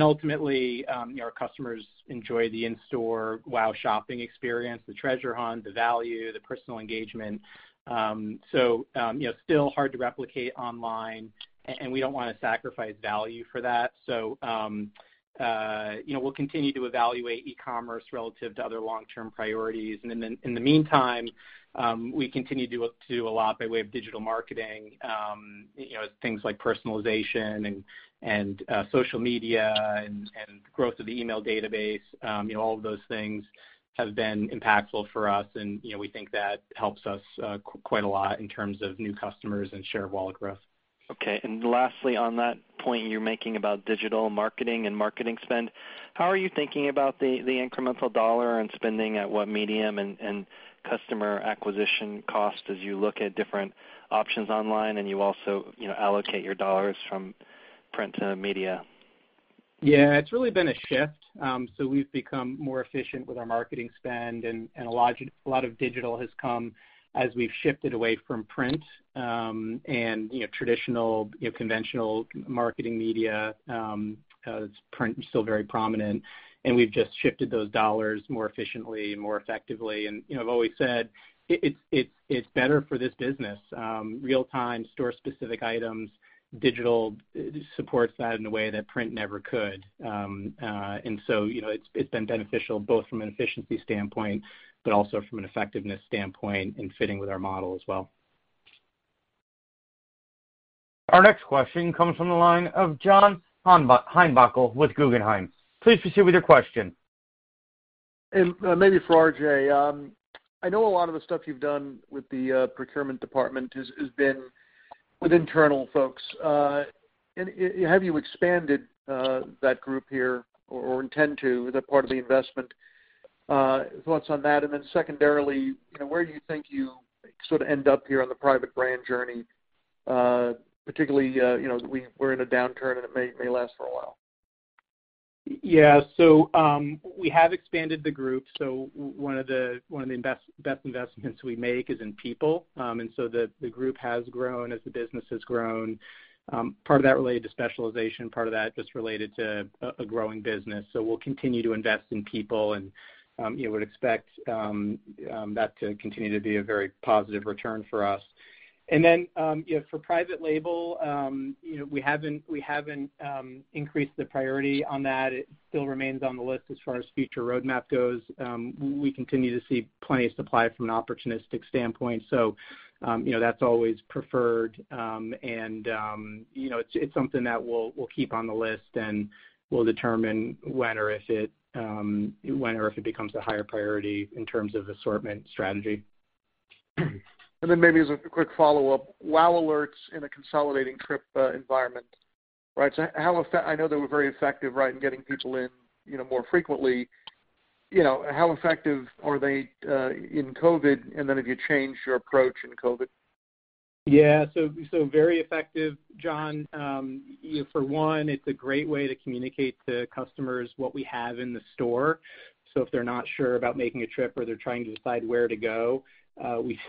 Ultimately, our customers enjoy the in-store WOW shopping experience, the treasure hunt, the value, the personal engagement. Still hard to replicate online, and we don't want to sacrifice value for that. We'll continue to evaluate e-commerce relative to other long-term priorities. In the meantime, we continue to do a lot by way of digital marketing, things like personalization and social media and growth of the email database. All of those things have been impactful for us, and we think that helps us quite a lot in terms of new customers and share of wallet growth. Okay. Lastly, on that point you're making about digital marketing and marketing spend, how are you thinking about the incremental dollar and spending at what medium and customer acquisition cost as you look at different options online and you also allocate your dollars from print to media? Yeah. It's really been a shift. We've become more efficient with our marketing spend and a lot of digital has come as we've shifted away from print and traditional, conventional marketing media, because print is still very prominent, and we've just shifted those dollars more efficiently and more effectively. I've always said, it's better for this business. Real-time store specific items, digital supports that in a way that print never could. It's been beneficial both from an efficiency standpoint, but also from an effectiveness standpoint and fitting with our model as well. Our next question comes from the line of John Heinbockel with Guggenheim. Please proceed with your question. Maybe for R.J. I know a lot of the stuff you've done with the procurement department has been with internal folks. Have you expanded that group here or intend to as part of the investment? Thoughts on that. Secondarily, where do you think you sort of end up here on the private brand journey? Particularly, we're in a downturn and it may last for a while. Yeah. We have expanded the group. One of the best investments we make is in people. The group has grown as the business has grown. Part of that related to specialization, part of that just related to a growing business. We'll continue to invest in people and would expect that to continue to be a very positive return for us. Then, for private label, we haven't increased the priority on that. It still remains on the list as far as future roadmap goes. We continue to see plenty of supply from an opportunistic standpoint, so that's always preferred. It's something that we'll keep on the list, and we'll determine when or if it becomes a higher priority in terms of assortment strategy. Then maybe as a quick follow-up, WOW alerts in a consolidating trip environment, right? I know they were very effective, right, in getting people in more frequently. How effective are they in COVID-19, and then have you changed your approach in COVID-19? Yeah. Very effective, John. For one, it's a great way to communicate to customers what we have in the store. If they're not sure about making a trip or they're trying to decide where to go,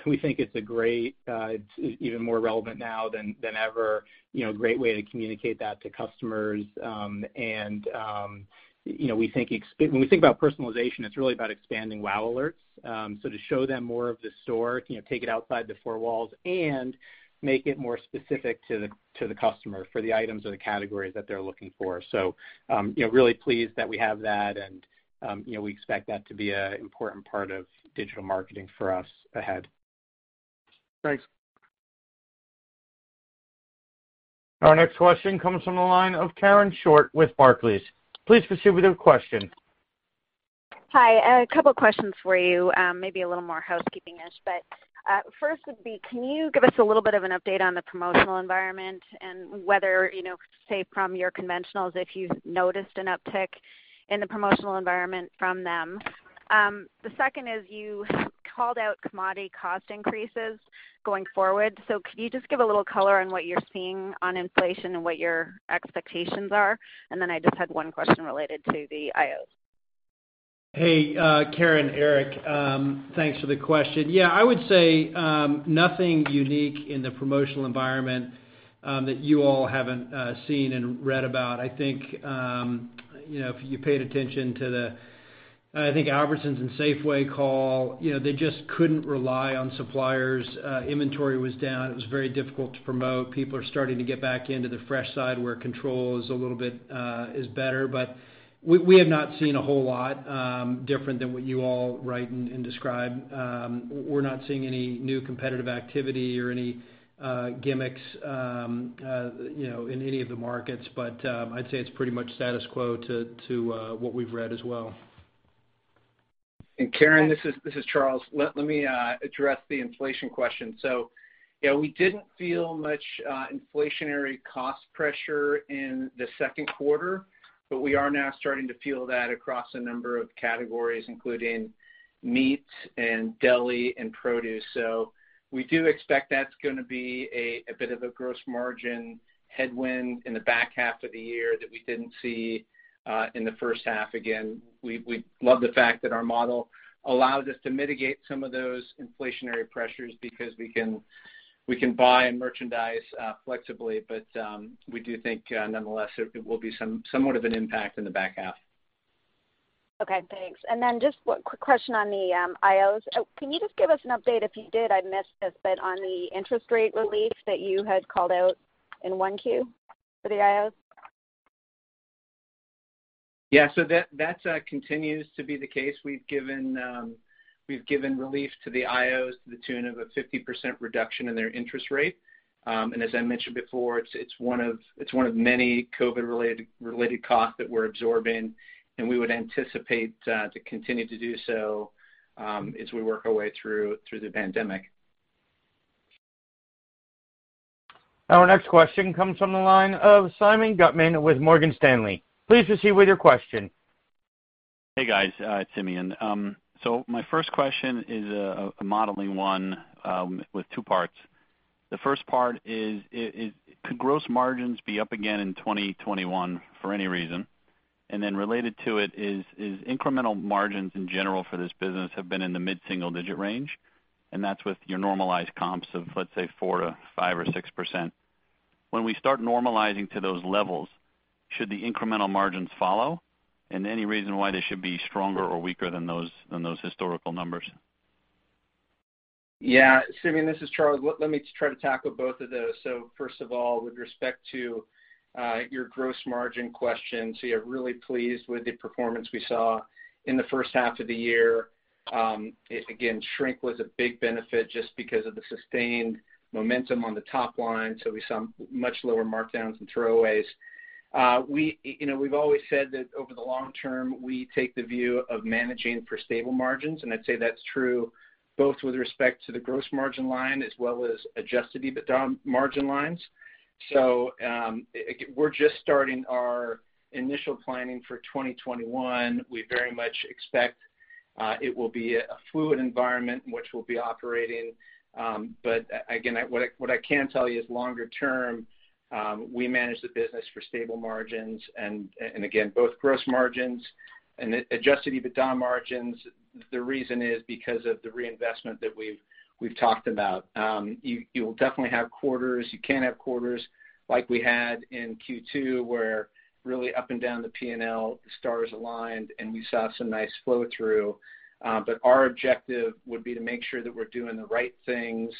we think it's even more relevant now than ever. A great way to communicate that to customers. When we think about personalization, it's really about expanding WOW alerts. To show them more of the store, take it outside the four walls and make it more specific to the customer for the items or the categories that they're looking for. Really pleased that we have that and we expect that to be an important part of digital marketing for us ahead. Thanks. Our next question comes from the line of Karen Short with Barclays. Please proceed with your question. Hi. A couple questions for you, maybe a little more housekeeping-ish. First would be, can you give us a little bit of an update on the promotional environment and whether, say, from your conventionals, if you've noticed an uptick in the promotional environment from them? The second is, you called out commodity cost increases going forward. Could you just give a little color on what you're seeing on inflation and what your expectations are? Then I just had one question related to the IOs. Hey, Karen, Eric. Thanks for the question. I would say, nothing unique in the promotional environment that you all haven't seen and read about. I think, if you paid attention to the Albertsons and Safeway call, they just couldn't rely on suppliers. Inventory was down. It was very difficult to promote. People are starting to get back into the fresh side where control is a little bit better. We have not seen a whole lot different than what you all write and describe. We're not seeing any new competitive activity or any gimmicks in any of the markets. I'd say it's pretty much status quo to what we've read as well. Karen, this is Charles. Let me address the inflation question. Yeah, we didn't feel much inflationary cost pressure in the second quarter, but we are now starting to feel that across a number of categories, including meats and deli and produce. We do expect that's going to be a bit of a gross margin headwind in the back half of the year that we didn't see in the first half. Again, we love the fact that our model allows us to mitigate some of those inflationary pressures because we can buy and merchandise flexibly. We do think nonetheless it will be somewhat of an impact in the back half. Okay, thanks. Just quick question on the IOs. Can you just give us an update, if you did, I missed this bit on the interest rate relief that you had called out in 1Q for the IOs. Yeah, that continues to be the case. We've given relief to the IOs to the tune of a 50% reduction in their interest rate. As I mentioned before, it's one of many COVID-related costs that we're absorbing, and we would anticipate to continue to do so as we work our way through the pandemic. Our next question comes from the line of Simeon Gutman with Morgan Stanley. Please proceed with your question. Hey, guys. It's Simeon. My first question is a modeling one with two parts. The first part is, could gross margins be up again in 2021 for any reason? Related to it is, incremental margins in general for this business have been in the mid-single-digit range, and that's with your normalized comps of, let's say, 4%-5% or 6%. When we start normalizing to those levels, should the incremental margins follow? Any reason why they should be stronger or weaker than those historical numbers? Yeah. Simeon, this is Charles. Let me try to tackle both of those. First of all, with respect to your gross margin question, really pleased with the performance we saw in the first half of the year. Again, shrink was a big benefit just because of the sustained momentum on the top line, so we saw much lower markdowns and throwaways. We've always said that over the long term, we take the view of managing for stable margins, and I'd say that's true both with respect to the gross margin line as well as adjusted EBITDA margin lines. We're just starting our initial planning for 2021. We very much expect it will be a fluid environment in which we'll be operating. Again, what I can tell you is longer term, we manage the business for stable margins, and again, both gross margins and adjusted EBITDA margins. The reason is because of the reinvestment that we've talked about. You will definitely have quarters, you can have quarters like we had in Q2 where really up and down the P&L, the stars aligned, and we saw some nice flow-through. Our objective would be to make sure that we're doing the right things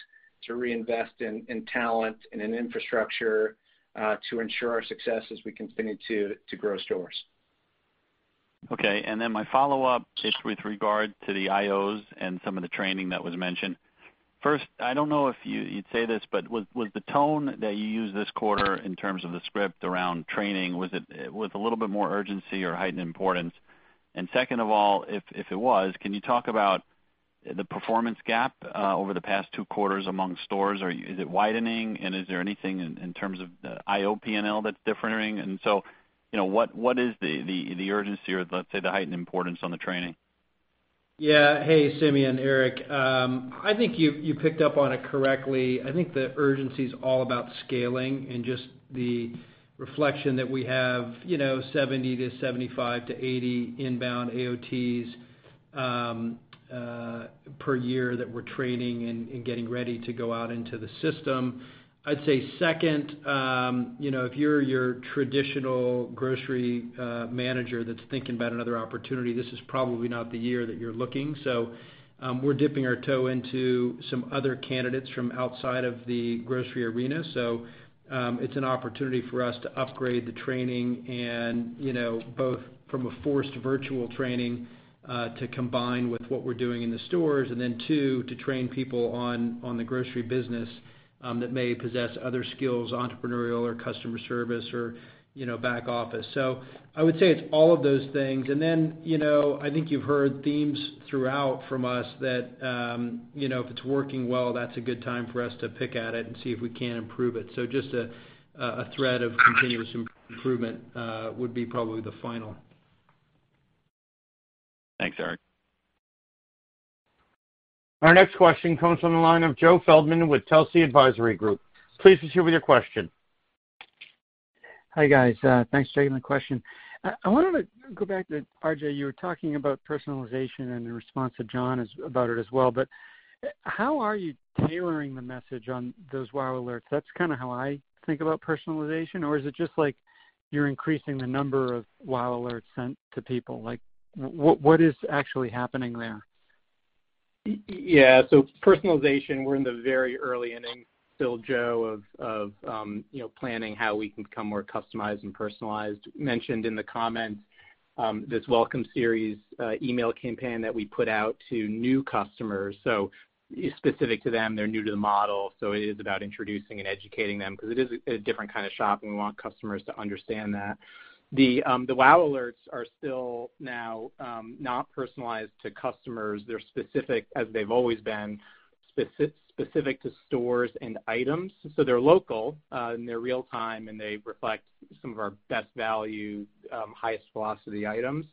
to reinvest in talent and in infrastructure to ensure our success as we continue to grow stores. Okay, my follow-up is with regard to the IOs and some of the training that was mentioned. First, I don't know if you'd say this, but was the tone that you used this quarter in terms of the script around training, was a little bit more urgency or heightened importance? Second of all, if it was, can you talk about the performance gap over the past two quarters among stores, or is it widening? Is there anything in terms of the IO P&L that's differing? What is the urgency or, let's say, the heightened importance on the training? Yeah. Hey, Simeon. Eric. I think you picked up on it correctly. The urgency's all about scaling and just the reflection that we have 70 to 75 to 80 inbound AOTs per year that we're training and getting ready to go out into the system. I'd say second, if you're your traditional grocery manager that's thinking about another opportunity, this is probably not the year that you're looking. We're dipping our toe into some other candidates from outside of the grocery arena. It's an opportunity for us to upgrade the training and, both from a forced virtual training, to combine with what we're doing in the stores. Two, to train people on the grocery business that may possess other skills, entrepreneurial or customer service or back office. I would say it's all of those things. I think you've heard themes throughout from us that, if it's working well, that's a good time for us to pick at it and see if we can't improve it. Just a thread of continuous improvement would be probably the final. Thanks, Eric. Our next question comes from the line of Joe Feldman with Telsey Advisory Group. Please proceed with your question. Hi, guys. Thanks for taking the question. I wanted to go back to R.J. You were talking about personalization and your response to John about it as well. How are you tailoring the message on those WOW alerts? That's kind of how I think about personalization. Or is it just like you're increasing the number of WOW alerts sent to people? What is actually happening there? Personalization, we're in the very early innings still, Joe, of planning how we can become more customized and personalized. Mentioned in the comments, this welcome series email campaign that we put out to new customers, specific to them. They're new to the model, it is about introducing and educating them because it is a different kind of shop, and we want customers to understand that. The WOW alerts are still now not personalized to customers. They're specific, as they've always been specific to stores and items. They're local, they're real-time, and they reflect some of our best value, highest velocity items.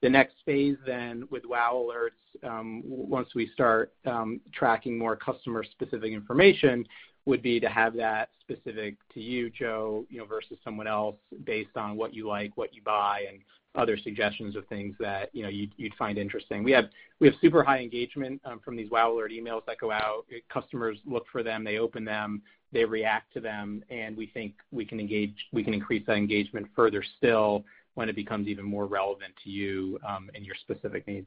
The next phase then with WOW alerts, once we start tracking more customer-specific information, would be to have that specific to you, Joe, versus someone else based on what you like, what you buy, and other suggestions of things that you'd find interesting. We have super high engagement from these WOW Alert emails that go out. Customers look for them. They open them. They react to them. We think we can increase that engagement further still when it becomes even more relevant to you, and your specific needs.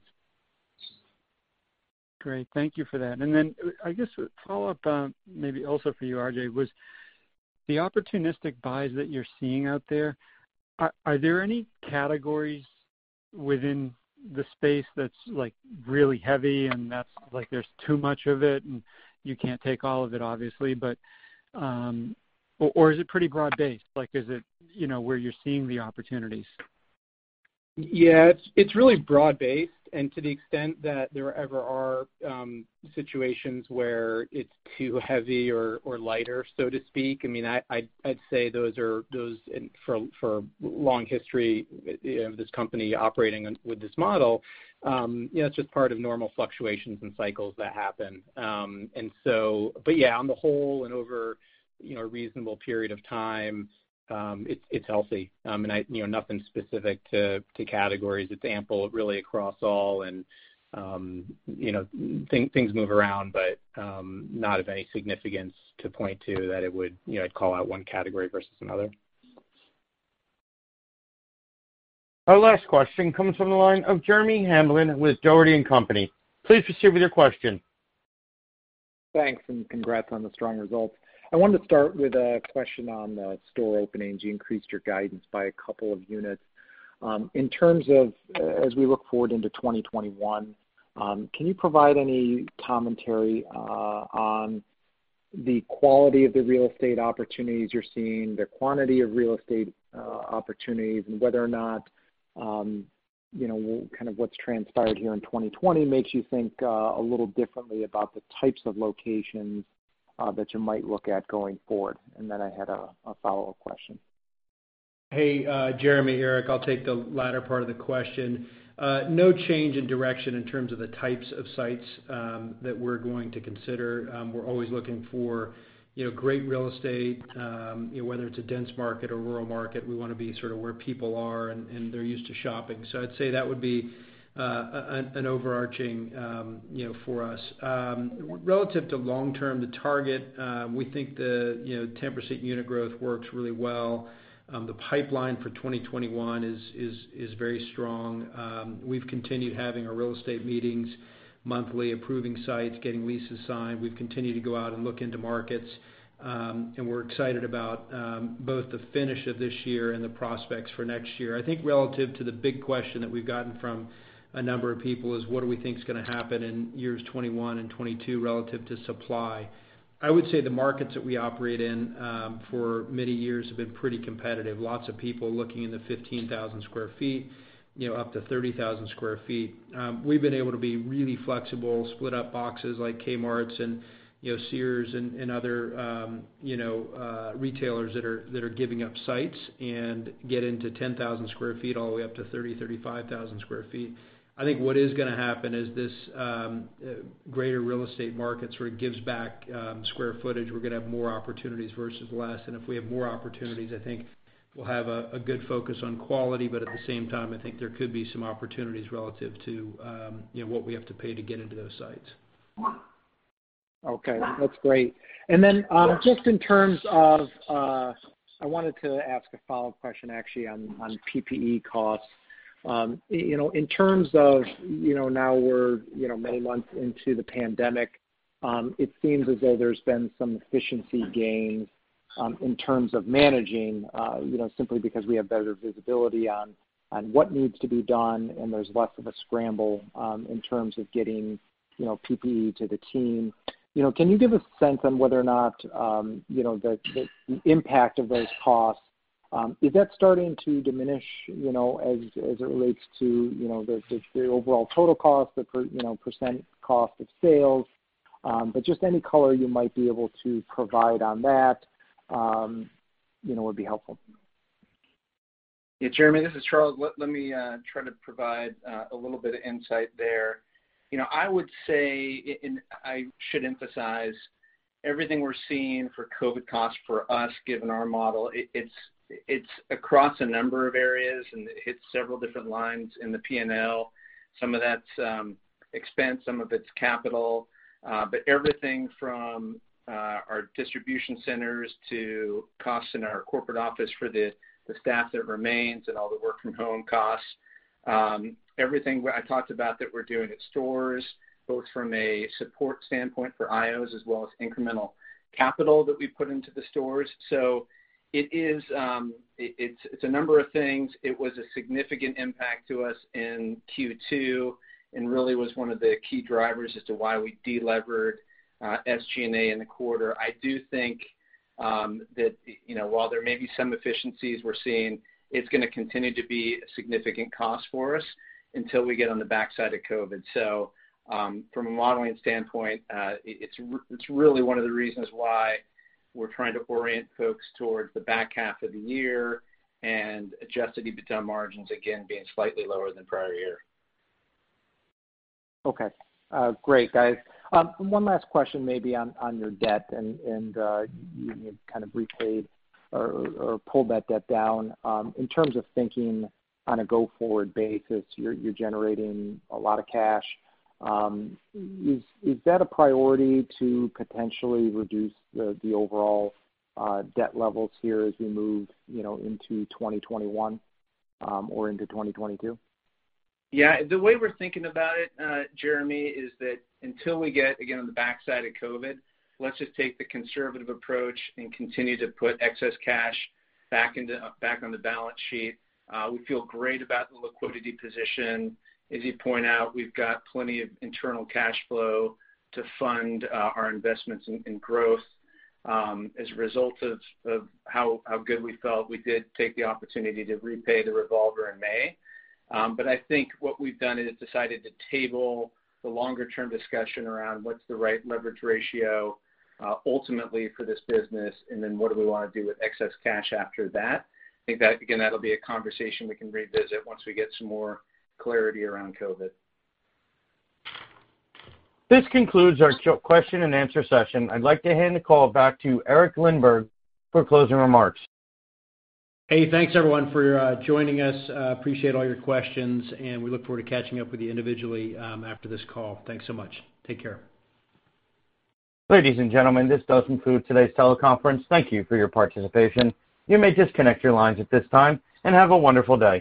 Great. Thank you for that. I guess a follow-up, maybe also for you, R.J., was the opportunistic buys that you're seeing out there. Are there any categories within the space that's really heavy and that's like there's too much of it and you can't take all of it, obviously, or is it pretty broad-based? Is it where you're seeing the opportunities? Yeah. It's really broad-based. To the extent that there ever are situations where it's too heavy or lighter, so to speak, I'd say those are for long history of this company operating with this model, it's just part of normal fluctuations and cycles that happen. Yeah, on the whole and over a reasonable period of time, it's healthy. Nothing specific to categories. It's ample really across all and things move around, but not of any significance to point to that I'd call out one category versus another. Our last question comes from the line of Jeremy Hamblin with Dougherty & Company. Please proceed with your question. Thanks, congrats on the strong results. I wanted to start with a question on the store openings. You increased your guidance by a couple of units. In terms of, as we look forward into 2021, can you provide any commentary on the quality of the real estate opportunities you're seeing, the quantity of real estate opportunities, and whether or not, kind of what's transpired here in 2020 makes you think a little differently about the types of locations that you might look at going forward? I had a follow-up question. Hey, Jeremy here. I'll take the latter part of the question. No change in direction in terms of the types of sites that we're going to consider. We're always looking for great real estate, whether it's a dense market or rural market, we want to be sort of where people are and they're used to shopping. I'd say that would be an overarching for us. Relative to long term to target, we think the 10% unit growth works really well. The pipeline for 2021 is very strong. We've continued having our real estate meetings monthly, approving sites, getting leases signed. We've continued to go out and look into markets. We're excited about both the finish of this year and the prospects for next year. I think relative to the big question that we've gotten from a number of people is what do we think is going to happen in years 2021 and 2022 relative to supply. I would say the markets that we operate in for many years have been pretty competitive. Lots of people looking in the 15,000 sq ft, up to 30,000 sq ft. We've been able to be really flexible, split up boxes like Kmart and Sears and other retailers that are giving up sites and get into 10,000 sq ft all the way up to 30,000, 35,000 sq ft. I think what is gonna happen is this greater real estate market sort of gives back square footage. We're gonna have more opportunities versus less. If we have more opportunities, I think we'll have a good focus on quality. At the same time, I think there could be some opportunities relative to what we have to pay to get into those sites. Okay. That's great. Just in terms of, I wanted to ask a follow-up question actually on PPE costs. In terms of now we're many months into the pandemic, it seems as though there's been some efficiency gains in terms of managing simply because we have better visibility on what needs to be done and there's less of a scramble in terms of getting PPE to the team. Can you give a sense on whether or not the impact of those costs, is that starting to diminish as it relates to the overall total cost, the % cost of sales? Just any color you might be able to provide on that would be helpful. Jeremy, this is Charles. Let me try to provide a little bit of insight there. I would say, and I should emphasize, everything we're seeing for COVID costs for us given our model, it's across a number of areas and it hits several different lines in the P&L. Some of that's expense, some of it's capital. Everything from our distribution centers to costs in our corporate office for the staff that remains and all the work-from-home costs. Everything I talked about that we're doing at stores, both from a support standpoint for IOs as well as incremental capital that we put into the stores. It's a number of things. It was a significant impact to us in Q2 and really was one of the key drivers as to why we de-levered SG&A in the quarter. While there may be some efficiencies we're seeing, it's going to continue to be a significant cost for us until we get on the backside of COVID. From a modeling standpoint, it's really one of the reasons why we're trying to orient folks towards the back half of the year and adjusted EBITDA margins, again, being slightly lower than prior year. Okay. Great, guys. One last question maybe on your debt, and you kind of repaid or pulled that debt down. In terms of thinking on a go-forward basis, you're generating a lot of cash. Is that a priority to potentially reduce the overall debt levels here as we move into 2021 or into 2022? Yeah. The way we're thinking about it, Jeremy, is that until we get, again, on the backside of COVID, let's just take the conservative approach and continue to put excess cash back on the balance sheet. We feel great about the liquidity position. As you point out, we've got plenty of internal cash flow to fund our investments in growth. As a result of how good we felt, we did take the opportunity to repay the revolver in May. I think what we've done is decided to table the longer-term discussion around what's the right leverage ratio ultimately for this business, and then what do we want to do with excess cash after that. I think that, again, that'll be a conversation we can revisit once we get some more clarity around COVID. This concludes our question and answer session. I'd like to hand the call back to Eric Lindberg for closing remarks. Hey, thanks everyone for joining us. Appreciate all your questions, and we look forward to catching up with you individually after this call. Thanks so much. Take care. Ladies and gentlemen, this does conclude today's teleconference. Thank you for your participation. You may disconnect your lines at this time, and have a wonderful day.